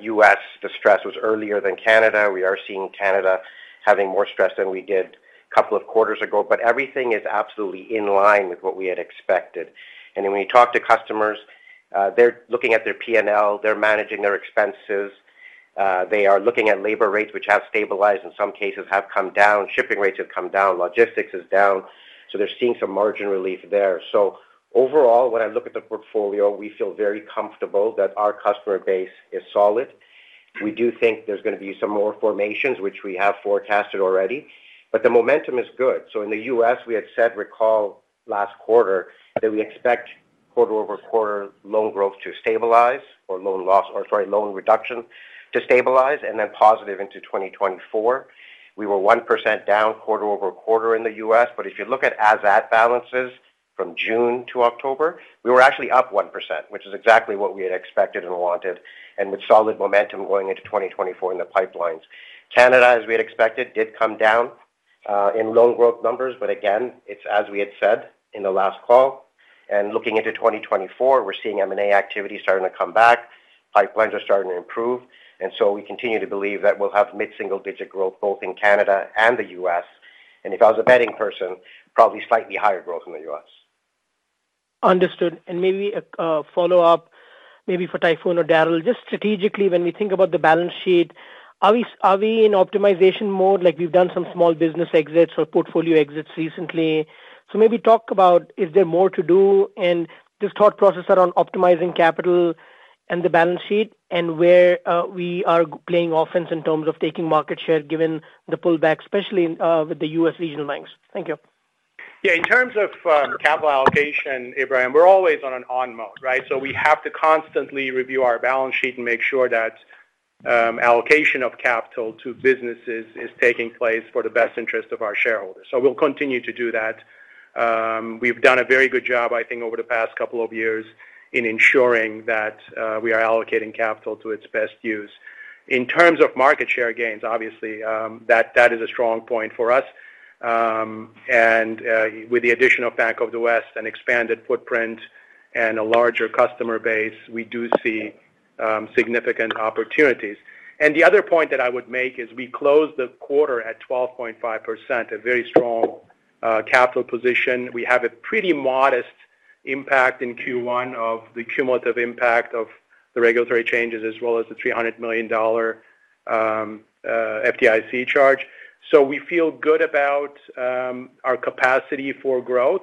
Speaker 8: U.S., the stress was earlier than Canada. We are seeing Canada having more stress than we did couple of quarters ago, but everything is absolutely in line with what we had expected. And when we talk to customers, they're looking at their PNL, they're managing their expenses, they are looking at labor rates, which have stabilized, in some cases, have come down. Shipping rates have come down, logistics is down, so they're seeing some margin relief there. So overall, when I look at the portfolio, we feel very comfortable that our customer base is solid. We do think there's going to be some more formations, which we have forecasted already, but the momentum is good. So in the US, we had said, recall last quarter, that we expect quarter-over-quarter loan growth to stabilize, or loan loss, or sorry, loan reduction to stabilize, and then positive into 2024. We were 1% down quarter-over-quarter in the US, but if you look at as at balances from June to October, we were actually up 1%, which is exactly what we had expected and wanted, and with solid momentum going into 2024 in the pipelines. Canada, as we had expected, did come down in loan growth numbers, but again, it's as we had said in the last call. And looking into 2024, we're seeing M&A activity starting to come back, pipelines are starting to improve, and so we continue to believe that we'll have mid-single-digit growth both in Canada and the U.S. If I was a betting person, probably slightly higher growth in the U.S.
Speaker 7: Understood. And maybe a follow-up, maybe for Tayfun or Darryl. Just strategically, when we think about the balance sheet, are we in optimization mode? Like, we've done some small business exits or portfolio exits recently. So maybe talk about, is there more to do? And just thought process around optimizing capital and the balance sheet and where we are playing offense in terms of taking market share, given the pullback, especially with the U.S. regional banks. Thank you.
Speaker 4: Yeah, in terms of capital allocation, Ebrahim, we're always on an on mode, right? So we have to constantly review our balance sheet and make sure that-... allocation of capital to businesses is taking place for the best interest of our shareholders. So we'll continue to do that. We've done a very good job, I think, over the past couple of years in ensuring that we are allocating capital to its best use. In terms of market share gains, obviously, that, that is a strong point for us. And with the addition of Bank of the West and expanded footprint and a larger customer base, we do see significant opportunities. And the other point that I would make is we closed the quarter at 12.5%, a very strong capital position. We have a pretty modest impact in Q1 of the cumulative impact of the regulatory changes, as well as the $300 million FDIC charge. We feel good about our capacity for growth,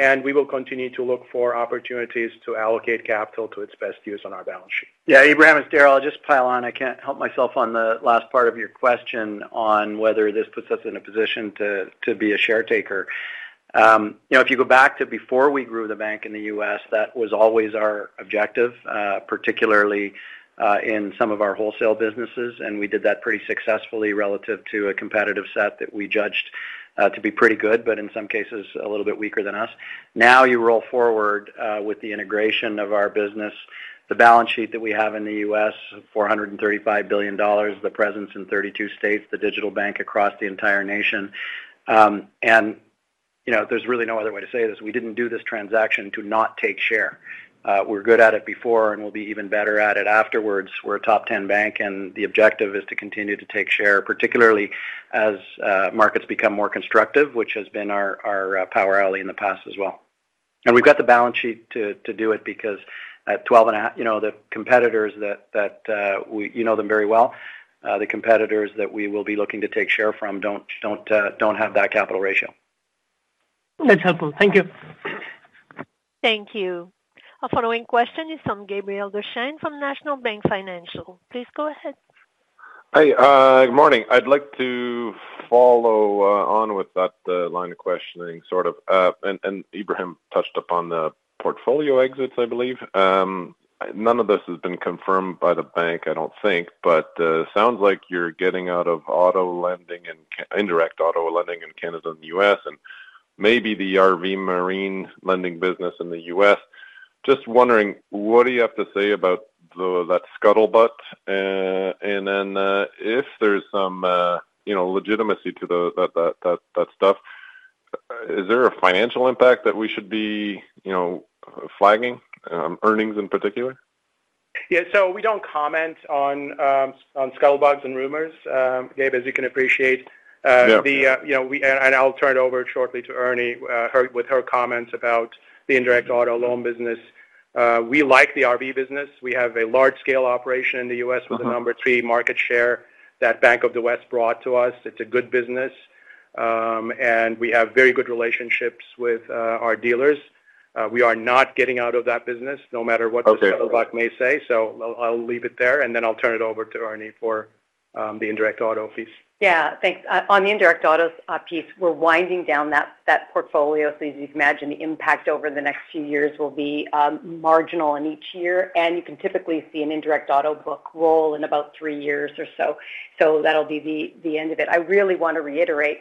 Speaker 4: and we will continue to look for opportunities to allocate capital to its best use on our balance sheet.
Speaker 3: Yeah, Abraham, it's Darryl. I'll just pile on. I can't help myself on the last part of your question on whether this puts us in a position to be a share taker. You know, if you go back to before we grew the bank in the U.S., that was always our objective, particularly in some of our wholesale businesses, and we did that pretty successfully relative to a competitive set that we judged to be pretty good, but in some cases, a little bit weaker than us. Now, you roll forward with the integration of our business, the balance sheet that we have in the U.S., $435 billion, the presence in 32 states, the digital bank across the entire nation. And, you know, there's really no other way to say this: we didn't do this transaction to not take share. We're good at it before, and we'll be even better at it afterwards. We're a top 10 bank, and the objective is to continue to take share, particularly as markets become more constructive, which has been our power alley in the past as well. And we've got the balance sheet to do it, because at 12.5-- you know, the competitors that we... You know them very well, the competitors that we will be looking to take share from don't have that capital ratio.
Speaker 1: That's helpful. Thank you. Thank you. Our following question is from Gabriel Dechaine, from National Bank Financial. Please go ahead.
Speaker 9: Hi, good morning. I'd like to follow on with that line of questioning, sort of, and Ebrahim touched upon the portfolio exits, I believe. None of this has been confirmed by the bank, I don't think, but sounds like you're getting out of auto lending and indirect auto lending in Canada and the U.S., and maybe the RV marine lending business in the U.S. Just wondering, what do you have to say about that scuttlebutt? And then, if there's some, you know, legitimacy to that stuff, is there a financial impact that we should be, you know, flagging earnings in particular?
Speaker 4: Yeah, so we don't comment on scuttlebutt and rumors, Gabe, as you can appreciate.
Speaker 9: Yeah.
Speaker 4: You know, I'll turn it over shortly to Ernie with her comments about the indirect auto loan business. We like the RV business. We have a large-scale operation in the US-
Speaker 9: Mm-hmm.
Speaker 4: with a number three market share that Bank of the West brought to us. It's a good business, and we have very good relationships with our dealers. We are not getting out of that business, no matter what-
Speaker 9: Okay.
Speaker 4: The scuttlebutt may say. So I'll, I'll leave it there, and then I'll turn it over to Ernie for the indirect auto piece.
Speaker 3: Yeah. Thanks. On the indirect autos piece, we're winding down that, that portfolio. So as you'd imagine, the impact over the next few years will be marginal in each year, and you can typically see an indirect auto book roll in about three years or so. So that'll be the end of it. I really want to reiterate,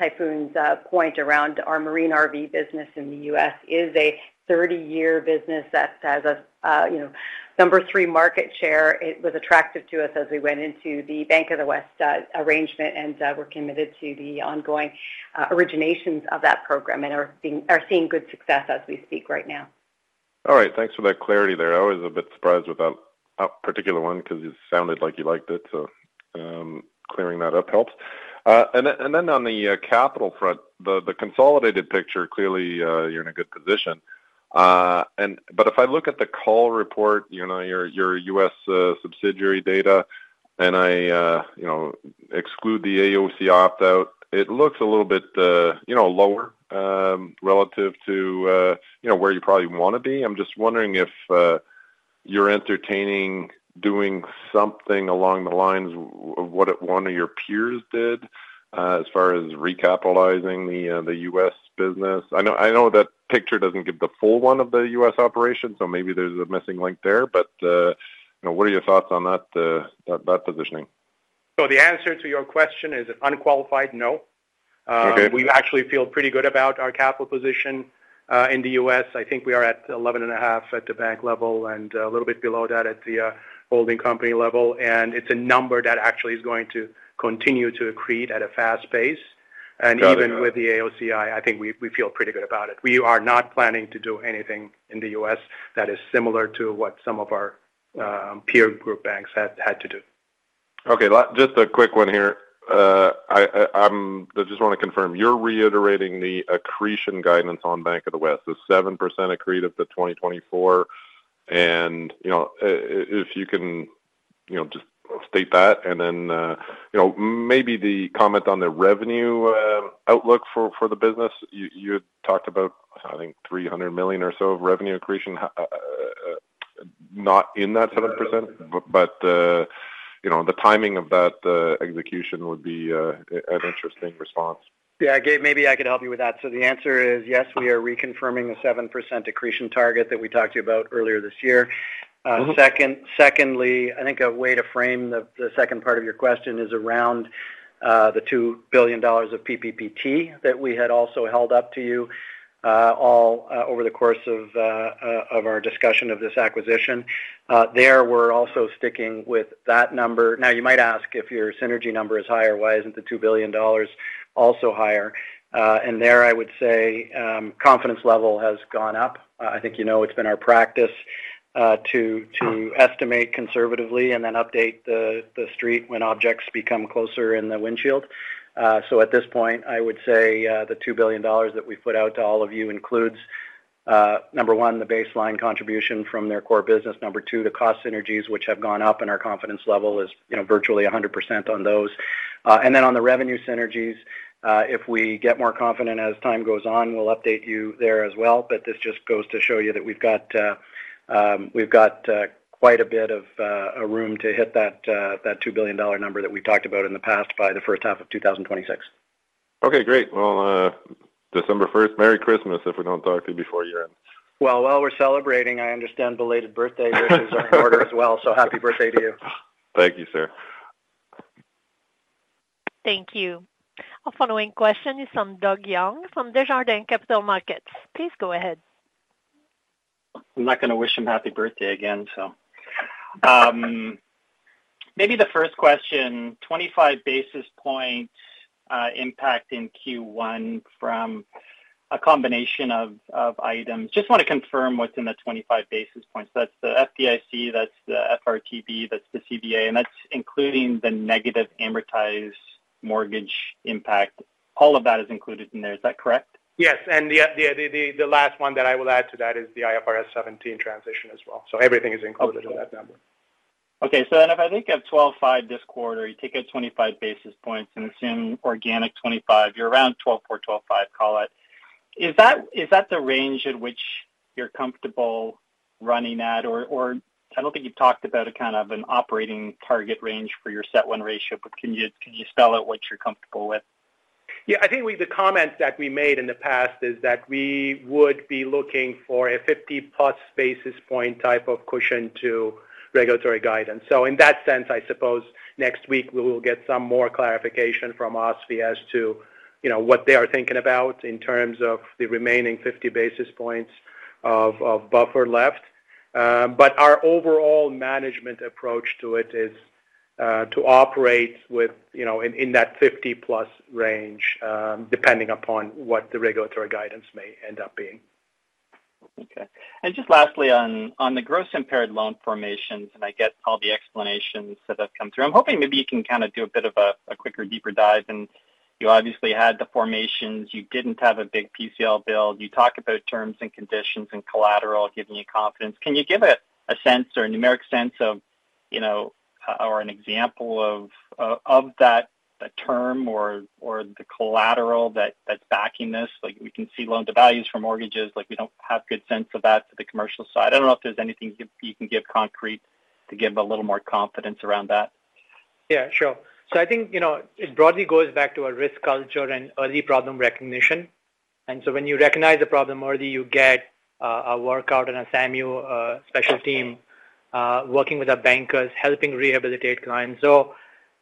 Speaker 3: Tayfun's point around our marine RV business in the U.S. is a 30-year business that has a, you know, number three market share. It was attractive to us as we went into the Bank of the West arrangement, and we're committed to the ongoing originations of that program and are seeing good success as we speak right now.
Speaker 9: All right. Thanks for that clarity there. I was a bit surprised with that particular one because you sounded like you liked it, so clearing that up helps. And then on the capital front, the consolidated picture, clearly you're in a good position. And but if I look at the Call Report, you know, your U.S. subsidiary data, and I you know, exclude the AOCI opt-out, it looks a little bit you know, lower relative to you know, where you probably want to be. I'm just wondering if you're entertaining doing something along the lines of what one of your peers did as far as recapitalizing the U.S. business. I know, I know that picture doesn't give the full one of the U.S. operation, so maybe there's a missing link there, but, you know, what are your thoughts on that positioning?
Speaker 4: The answer to your question is an unqualified no.
Speaker 9: Okay.
Speaker 4: We actually feel pretty good about our capital position in the U.S. I think we are at 11.5 at the bank level, and a little bit below that at the holding company level. It's a number that actually is going to continue to accrete at a fast pace.
Speaker 9: Got it.
Speaker 4: Even with the AOCI, I think we feel pretty good about it. We are not planning to do anything in the U.S. that is similar to what some of our peer group banks had to do.
Speaker 9: Okay. Just a quick one here. I just want to confirm, you're reiterating the accretion guidance on Bank of the West, the 7% accretive to 2024. And, you know, if you can, you know, just state that, and then, you know, maybe the comment on the revenue, outlook for, for the business. You talked about, I think, $300 million or so of revenue accretion, not in that 7%. But, you know, the timing of that, execution would be, an interesting response.
Speaker 3: Yeah, Gabe, maybe I could help you with that. So the answer is yes, we are reconfirming the 7% accretion target that we talked to you about earlier this year. Second, secondly, I think a way to frame the second part of your question is around the $2 billion of PPPT that we had also held up to you all over the course of our discussion of this acquisition. There, we're also sticking with that number. Now, you might ask if your synergy number is higher, why isn't the $2 billion also higher? And there, I would say, confidence level has gone up. I think you know it's been our practice to estimate conservatively and then update the Street when objects become closer in the windshield. So at this point, I would say, the $2 billion that we put out to all of you includes, number one, the baseline contribution from their core business. Number two, the cost synergies, which have gone up, and our confidence level is, you know, virtually 100% on those. And then on the revenue synergies, if we get more confident as time goes on, we'll update you there as well. But this just goes to show you that we've got quite a bit of a room to hit that $2 billion number that we've talked about in the past by the first half of 2026.
Speaker 5: Okay, great. Well, December first, merry Christmas, if we don't talk to you before year-end.
Speaker 3: Well, while we're celebrating, I understand belated birthday wishes are in order as well, so happy birthday to you.
Speaker 5: Thank you, sir.
Speaker 1: Thank you. Our following question is from Doug Young, from Desjardins Capital Markets. Please go ahead.
Speaker 10: I'm not going to wish him happy birthday again, so. Maybe the first question, 25 basis points, impact in Q1 from a combination of items. Just want to confirm what's in the 25 basis points. That's the FDIC, that's the FRTB, that's the CVA, and that's including the negative amortization mortgage impact. All of that is included in there. Is that correct?
Speaker 3: Yes, and the last one that I will add to that is the IFRS 17 transition as well. So everything is included in that number.
Speaker 10: Okay. So then if I think of 12.5 this quarter, you take a 25 basis points and assume organic 25, you're around 12.4, 12.5, call it. Is that, is that the range at which you're comfortable running at? Or, or I don't think you've talked about a kind of an operating target range for your CET1 ratio, but can you, can you spell out what you're comfortable with?
Speaker 3: Yeah, I think we, the comments that we made in the past is that we would be looking for a 50+ basis point type of cushion to regulatory guidance. So in that sense, I suppose next week we will get some more clarification from OSFI as to, you know, what they are thinking about in terms of the remaining 50 basis points of buffer left. But our overall management approach to it is to operate with, you know, in, in that 50+ range, depending upon what the regulatory guidance may end up being.
Speaker 10: Okay. And just lastly, on the gross impaired loan formations, and I get all the explanations that have come through. I'm hoping maybe you can kind of do a bit of a quicker, deeper dive. And you obviously had the formations; you didn't have a big PCL build. You talked about terms and conditions and collateral giving you confidence. Can you give a sense or a numeric sense of, you know, or an example of that, the term or the collateral that's backing this? Like, we can see loan-to-values for mortgages; like, we don't have good sense of that to the commercial side. I don't know if there's anything you can give concrete to give a little more confidence around that.
Speaker 5: Yeah, sure. So I think, you know, it broadly goes back to our risk culture and early problem recognition. And so when you recognize the problem early, you get a workout and a SAMU special team working with our bankers, helping rehabilitate clients. So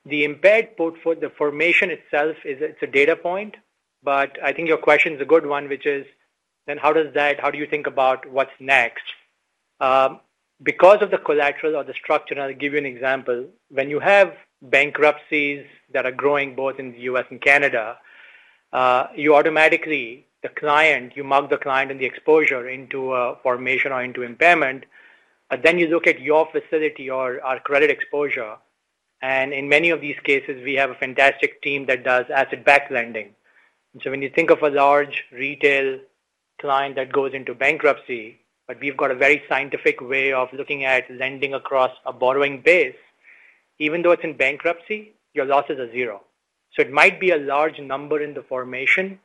Speaker 5: the impaired portfolio, the formation itself is, it's a data point, but I think your question is a good one, which is: then how does that, how do you think about what's next? Because of the collateral or the structure, and I'll give you an example, when you have bankruptcies that are growing both in the U.S. and Canada, you automatically, the client, you mark the client and the exposure into a formation or into impairment. Then you look at your facility or our credit exposure, and in many of these cases, we have a fantastic team that does asset-backed lending. When you think of a large retail client that goes into bankruptcy, but we've got a very scientific way of looking at lending across a borrowing base, even though it's in bankruptcy, your losses are zero. It might be a large number in the formation.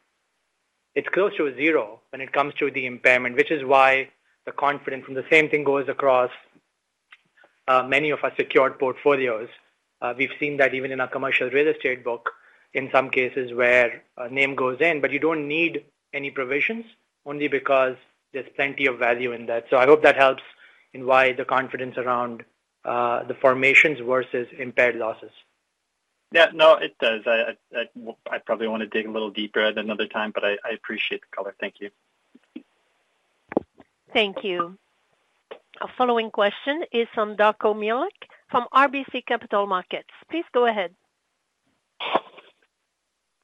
Speaker 5: It's close to a zero when it comes to the impairment, which is why the confidence from the same thing goes across many of our secured portfolios. We've seen that even in our commercial real estate book, in some cases where a name goes in, but you don't need any provisions, only because there's plenty of value in that. I hope that helps in why the confidence around the formations versus impaired losses.
Speaker 10: Yeah. No, it does. I probably want to dig a little deeper at another time, but I appreciate the color. Thank you.
Speaker 1: Thank you. Our following question is from Darko Mihelic from RBC Capital Markets. Please go ahead.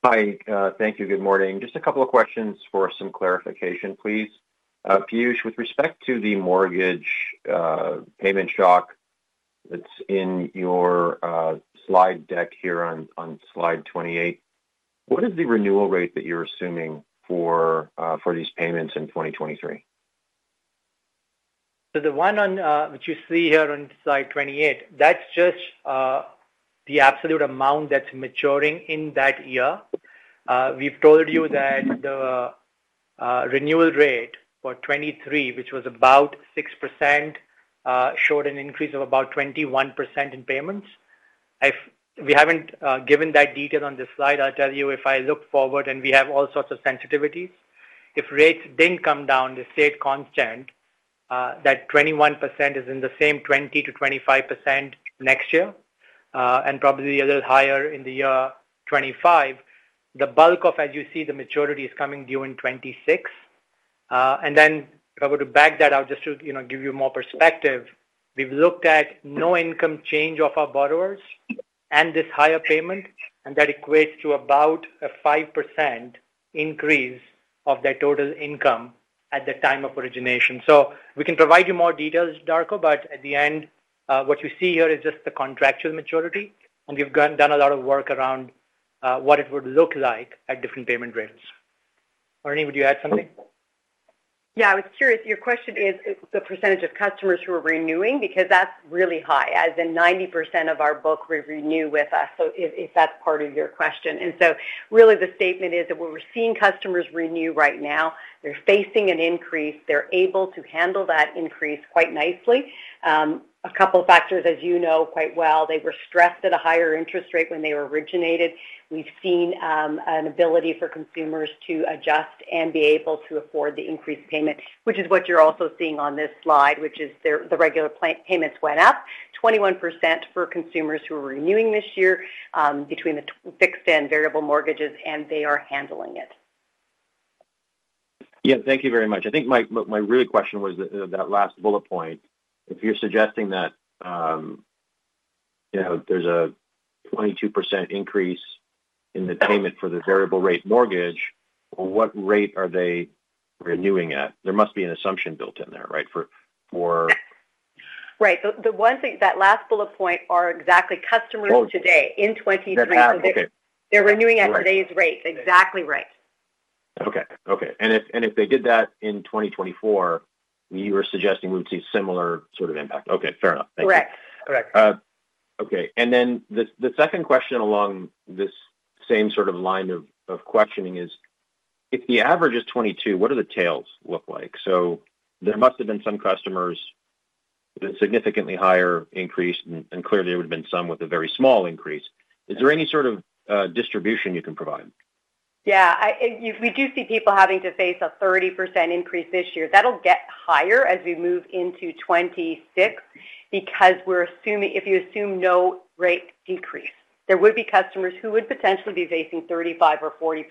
Speaker 11: Hi. Thank you. Good morning. Just a couple of questions for some clarification, please. Piyush, with respect to the mortgage payment shock that's in your slide deck here on slide 28, what is the renewal rate that you're assuming for these payments in 2023?
Speaker 5: So the one on, that you see here on slide 28, that's just, the absolute amount that's maturing in that year. We've told you that the, renewal rate for 2023, which was about 6%, showed an increase of about 21% in payments.... If we haven't, given that detail on this slide, I'll tell you, if I look forward and we have all sorts of sensitivities, if rates didn't come down, they stayed constant, that 21% is in the same 20%-25% next year, and probably a little higher in the year 2025. The bulk of, as you see, the maturity is coming due in 2026. And then, Robert, to back that out, just to, you know, give you more perspective, we've looked at no income change of our borrowers and this higher payment, and that equates to about a 5% increase of their total income at the time of origination. So we can provide you more details, Darko, but at the end, what you see here is just the contractual maturity, and we've gone and done a lot of work around what it would look like at different payment rates. Ernie, would you add something?
Speaker 12: Yeah, I was curious. Your question is, is the percentage of customers who are renewing, because that's really high, as in 90% of our book will renew with us. So if that's part of your question. And so really the statement is that what we're seeing customers renew right now, they're facing an increase. They're able to handle that increase quite nicely. A couple of factors, as you know quite well, they were stressed at a higher interest rate when they were originated. We've seen an ability for consumers to adjust and be able to afford the increased payment, which is what you're also seeing on this slide, which is their regular payments went up 21% for consumers who are renewing this year, between the fixed and variable mortgages, and they are handling it.
Speaker 11: Yeah, thank you very much. I think my, my really question was that last bullet point. If you're suggesting that, you know, there's a 22% increase in the payment for the variable rate mortgage, what rate are they renewing at? There must be an assumption built in there, right? For, for-
Speaker 12: Right. The one thing, that last bullet point are exactly customers today in 2023.
Speaker 11: Okay.
Speaker 12: They're renewing at today's rate. Exactly right.
Speaker 11: Okay. Okay. And if, and if they did that in 2024, you were suggesting we would see similar sort of impact. Okay, fair enough.
Speaker 12: Correct. Correct.
Speaker 11: Okay. And then the second question along this same sort of line of questioning is: if the average is 22, what do the tails look like? So there must have been some customers with a significantly higher increase, and clearly, there would have been some with a very small increase. Is there any sort of distribution you can provide?
Speaker 12: Yeah, we do see people having to face a 30% increase this year. That'll get higher as we move into 2026, because we're assuming—if you assume no rate decrease, there would be customers who would potentially be facing 35% or 40%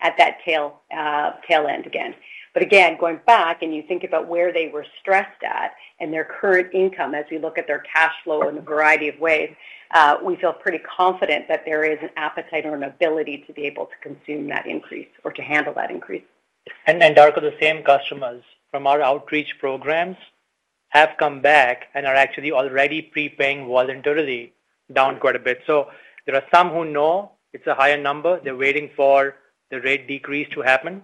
Speaker 12: at that tail end again. But again, going back and you think about where they were stressed at and their current income, as we look at their cash flow in a variety of ways, we feel pretty confident that there is an appetite or an ability to be able to consume that increase or to handle that increase.
Speaker 5: And then, Darko, the same customers from our outreach programs have come back and are actually already prepaying voluntarily down quite a bit. So there are some who know it's a higher number. They're waiting for the rate decrease to happen,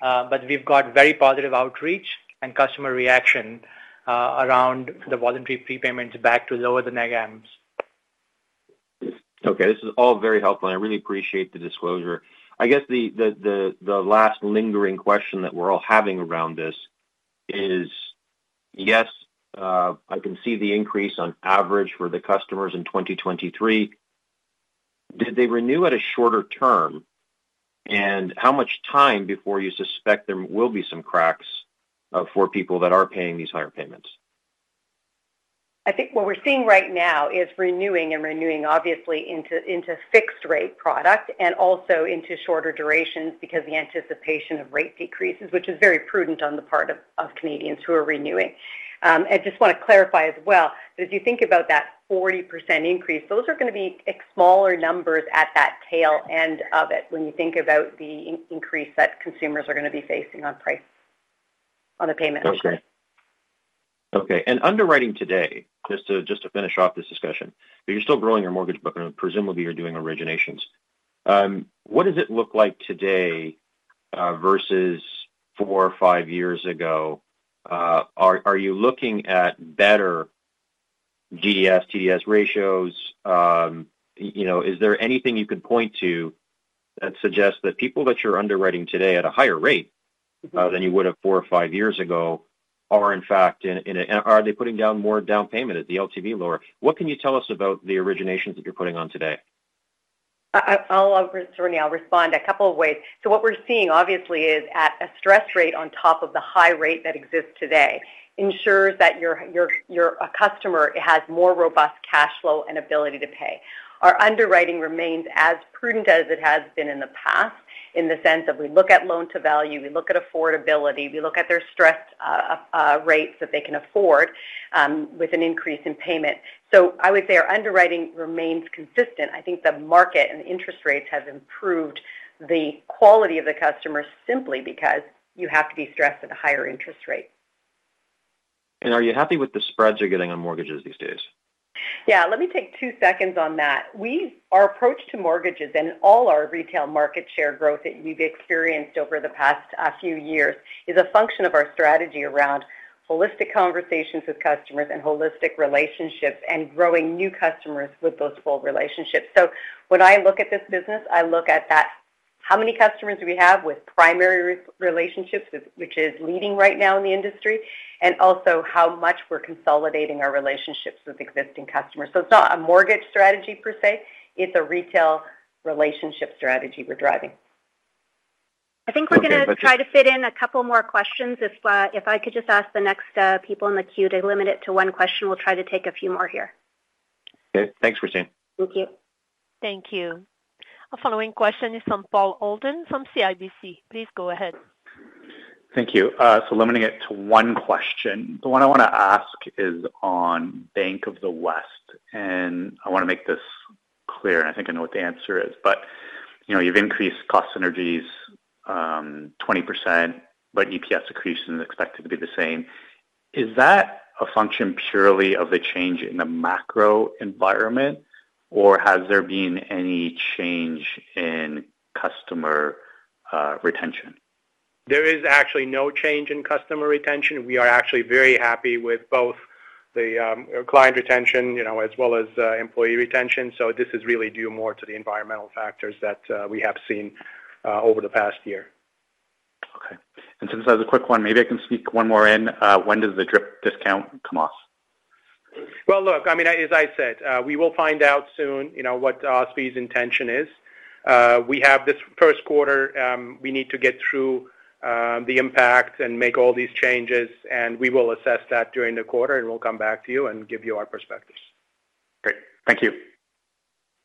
Speaker 5: but we've got very positive outreach and customer reaction around the voluntary prepayment back to lower the neg ams.
Speaker 11: Okay, this is all very helpful, and I really appreciate the disclosure. I guess the last lingering question that we're all having around this is, yes, I can see the increase on average for the customers in 2023. Did they renew at a shorter term, and how much time before you suspect there will be some cracks, for people that are paying these higher payments?
Speaker 12: I think what we're seeing right now is renewing and renewing, obviously, into fixed-rate product and also into shorter durations because the anticipation of rate decreases, which is very prudent on the part of Canadians who are renewing. I just want to clarify as well, that if you think about that 40% increase, those are going to be smaller numbers at that tail end of it when you think about the increase that consumers are going to be facing on price, on the payment, I'm sorry.
Speaker 11: Okay. And underwriting today, just to finish off this discussion, but you're still growing your mortgage book, and presumably, you're doing originations. What does it look like today, versus four or five years ago? Are you looking at better GDS, TDS ratios? You know, is there anything you can point to that suggests that people that you're underwriting today at a higher rate, than you would have four or five years ago, are in fact in a... Are they putting down more down payment? Is the LTV lower? What can you tell us about the originations that you're putting on today?
Speaker 12: I'll, Ernie, I'll respond a couple of ways. So what we're seeing, obviously, is at a stress rate on top of the high rate that exists today, ensures that your customer has more robust cash flow and ability to pay. Our underwriting remains as prudent as it has been in the past, in the sense that we look at loan to value, we look at affordability, we look at their stressed rates that they can afford, with an increase in payment. So I would say our underwriting remains consistent. I think the market and interest rates have improved the quality of the customer simply because you have to be stressed at a higher interest rate.
Speaker 11: Are you happy with the spreads you're getting on mortgages these days?
Speaker 12: Yeah. Let me take two seconds on that. Our approach to mortgages and all our retail market share growth that we've experienced over the past few years is a function of our strategy around holistic conversations with customers and holistic relationships and growing new customers with those full relationships. So when I look at this business, I look at how many customers we have with primary relationships, which is leading right now in the industry, and also how much we're consolidating our relationships with existing customers. So it's not a mortgage strategy per se, it's a retail relationship strategy we're driving.
Speaker 2: I think we're going to try to fit in a couple more questions. If, if I could just ask the next people in the queue to limit it to one question, we'll try to take a few more here.
Speaker 6: Okay. Thanks, Christine.
Speaker 2: Thank you.
Speaker 1: Thank you. Our following question is from Paul Holden, from CIBC. Please go ahead.
Speaker 13: Thank you. So limiting it to one question. The one I want to ask is on Bank of the West, and I want to make this clear, and I think I know what the answer is. But, you know, you've increased cost synergies, 20%, but EPS accretion is expected to be the same. Is that a function purely of the change in the macro environment, or has there been any change in customer, retention?
Speaker 3: There is actually no change in customer retention. We are actually very happy with both the client retention, you know, as well as employee retention. So this is really due more to the environmental factors that we have seen over the past year.
Speaker 13: Okay. And since I have a quick one, maybe I can sneak one more in. When does the DRIP discount come off?
Speaker 3: Well, look, I mean, as I said, we will find out soon, you know, what OSFI's intention is. We have this first quarter, we need to get through, the impact and make all these changes, and we will assess that during the quarter, and we'll come back to you and give you our perspectives.
Speaker 13: Great. Thank you.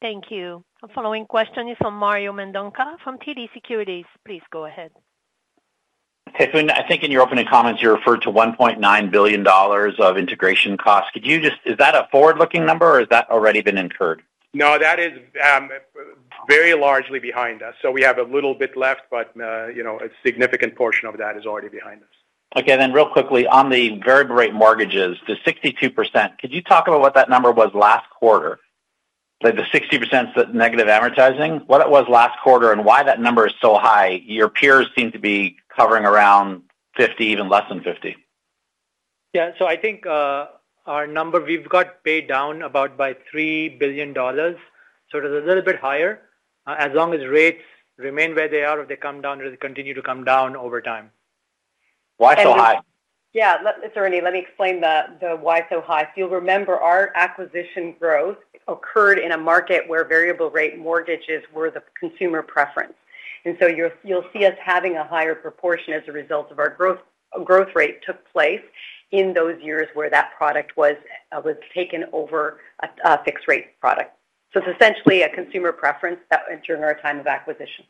Speaker 1: Thank you. Our following question is from Mario Mendonca from TD Securities. Please go ahead.
Speaker 14: Tayfun, I think in your opening comments, you referred to $1.9 billion of integration costs. Could you just? Is that a forward-looking number, or has that already been incurred?
Speaker 3: No, that is, very largely behind us, so we have a little bit left, but, you know, a significant portion of that is already behind us.
Speaker 14: Okay, then real quickly, on the variable rate mortgages, the 62%, could you talk about what that number was last quarter? The 60% negative amortization, what it was last quarter, and why that number is so high? Your peers seem to be covering around 50, even less than 50.
Speaker 5: Yeah, so I think, our number, we've got paid down about by 3 billion dollars, so it is a little bit higher, as long as rates remain where they are, or they come down or they continue to come down over time.
Speaker 14: Why so high?
Speaker 12: Yeah, it's Ernie. Let me explain the why so high. If you'll remember, our acquisition growth occurred in a market where variable rate mortgages were the consumer preference. And so you'll see us having a higher proportion as a result of our growth. Growth rate took place in those years where that product was taken over a fixed rate product. So it's essentially a consumer preference that entered during our time of acquisition.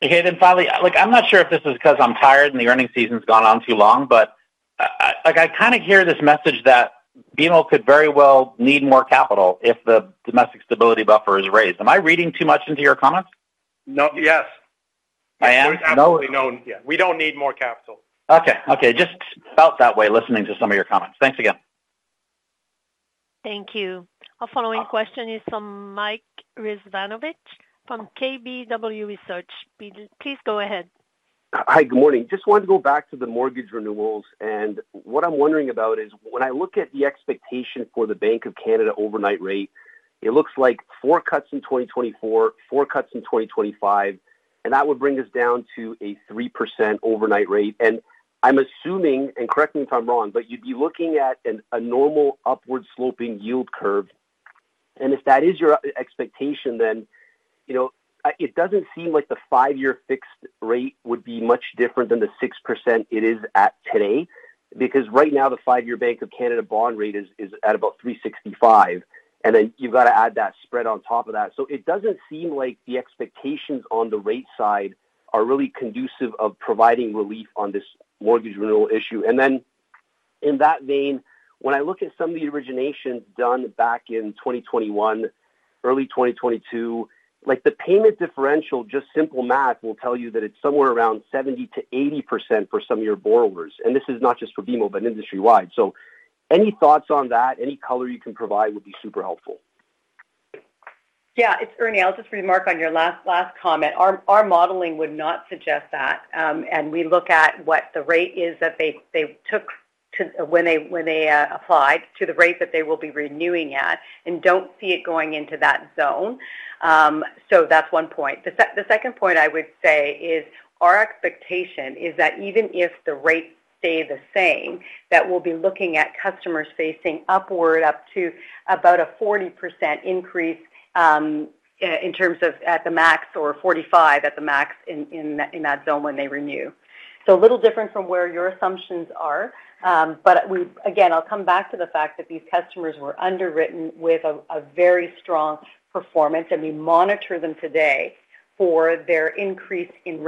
Speaker 14: Okay, then finally, look, I'm not sure if this is because I'm tired and the earnings season's gone on too long, but, I kind of hear this message that BMO could very well need more capital if the Domestic Stability Buffer is raised. Am I reading too much into your comments?
Speaker 3: No. Yes.
Speaker 14: I am?
Speaker 3: There's absolutely no... We don't need more capital.
Speaker 14: Okay. Okay, just felt that way, listening to some of your comments. Thanks again.
Speaker 1: Thank you. Our following question is from Mike Rizvanovic from KBW Research. Please go ahead.
Speaker 15: Hi, good morning. Just wanted to go back to the mortgage renewals, and what I'm wondering about is, when I look at the expectation for the Bank of Canada overnight rate, it looks like 4 cuts in 2024, 4 cuts in 2025, and that would bring us down to a 3% overnight rate. And I'm assuming, and correct me if I'm wrong, but you'd be looking at a normal upward sloping yield curve. And if that is your expectation, then, you know, it doesn't seem like the five-year fixed rate would be much different than the 6% it is at today, because right now, the five-year Bank of Canada bond rate is at about 3.65, and then you've got to add that spread on top of that. So it doesn't seem like the expectations on the rate side are really conducive of providing relief on this mortgage renewal issue. And then in that vein, when I look at some of the originations done back in 2021, early 2022, like, the payment differential, just simple math, will tell you that it's somewhere around 70%-80% for some of your borrowers, and this is not just for BMO, but industry-wide. So any thoughts on that, any color you can provide would be super helpful.
Speaker 12: Yeah, it's Ernie. I'll just remark on your last comment. Our modeling would not suggest that, and we look at what the rate is that they took when they applied to the rate that they will be renewing at and don't see it going into that zone. So that's one point. The second point I would say is our expectation is that even if the rates stay the same, that we'll be looking at customers facing upward to about a 40% increase, in terms of at the max, or 45 at the max in that zone when they renew. So a little different from where your assumptions are, but we... Again, I'll come back to the fact that these customers were underwritten with a very strong performance, and we monitor them today for their increase in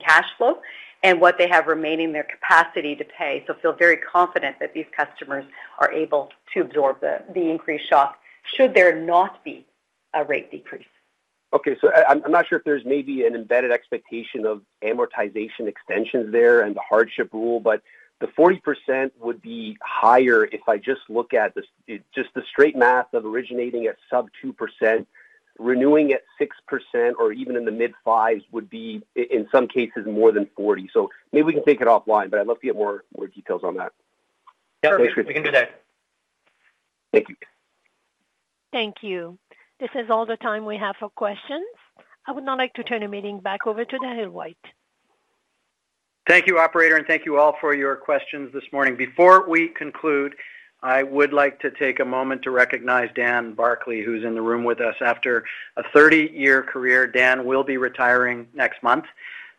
Speaker 12: cash flow and what they have remaining, their capacity to pay. So feel very confident that these customers are able to absorb the increased shock, should there not be a rate decrease.
Speaker 15: Okay, so I'm not sure if there's maybe an embedded expectation of amortization extensions there and the hardship rule, but the 40% would be higher if I just look at just the straight math of originating at sub-2%, renewing at 6% or even in the mid-5s would be, in some cases, more than 40. So maybe we can take it offline, but I'd love to get more details on that.
Speaker 3: Yeah, we can do that.
Speaker 15: Thank you.
Speaker 1: Thank you. This is all the time we have for questions. I would now like to turn the meeting back over to Darryl White.
Speaker 3: Thank you, operator, and thank you all for your questions this morning. Before we conclude, I would like to take a moment to recognize Dan Barclay, who's in the room with us. After a 30-year career, Dan will be retiring next month.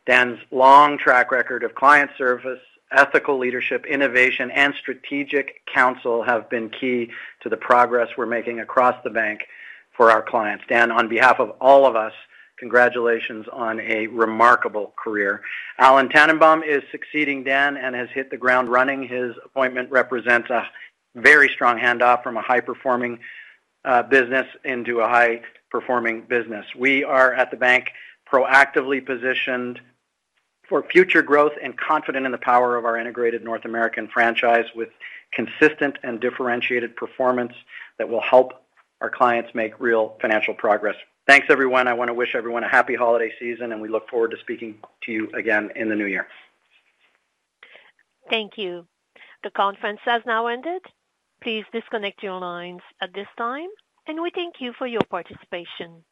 Speaker 3: Dan's long track record of client service, ethical leadership, innovation, and strategic counsel have been key to the progress we're making across the bank for our clients. Dan, on behalf of all of us, congratulations on a remarkable career. Alan Tannenbaum is succeeding Dan and has hit the ground running. His appointment represents a very strong handoff from a high-performing business into a high-performing business. We are, at the bank, proactively positioned for future growth and confident in the power of our integrated North American franchise, with consistent and differentiated performance that will help our clients make real financial progress. Thanks, everyone. I want to wish everyone a happy holiday season, and we look forward to speaking to you again in the new year.
Speaker 1: Thank you. The conference has now ended. Please disconnect your lines at this time, and we thank you for your participation.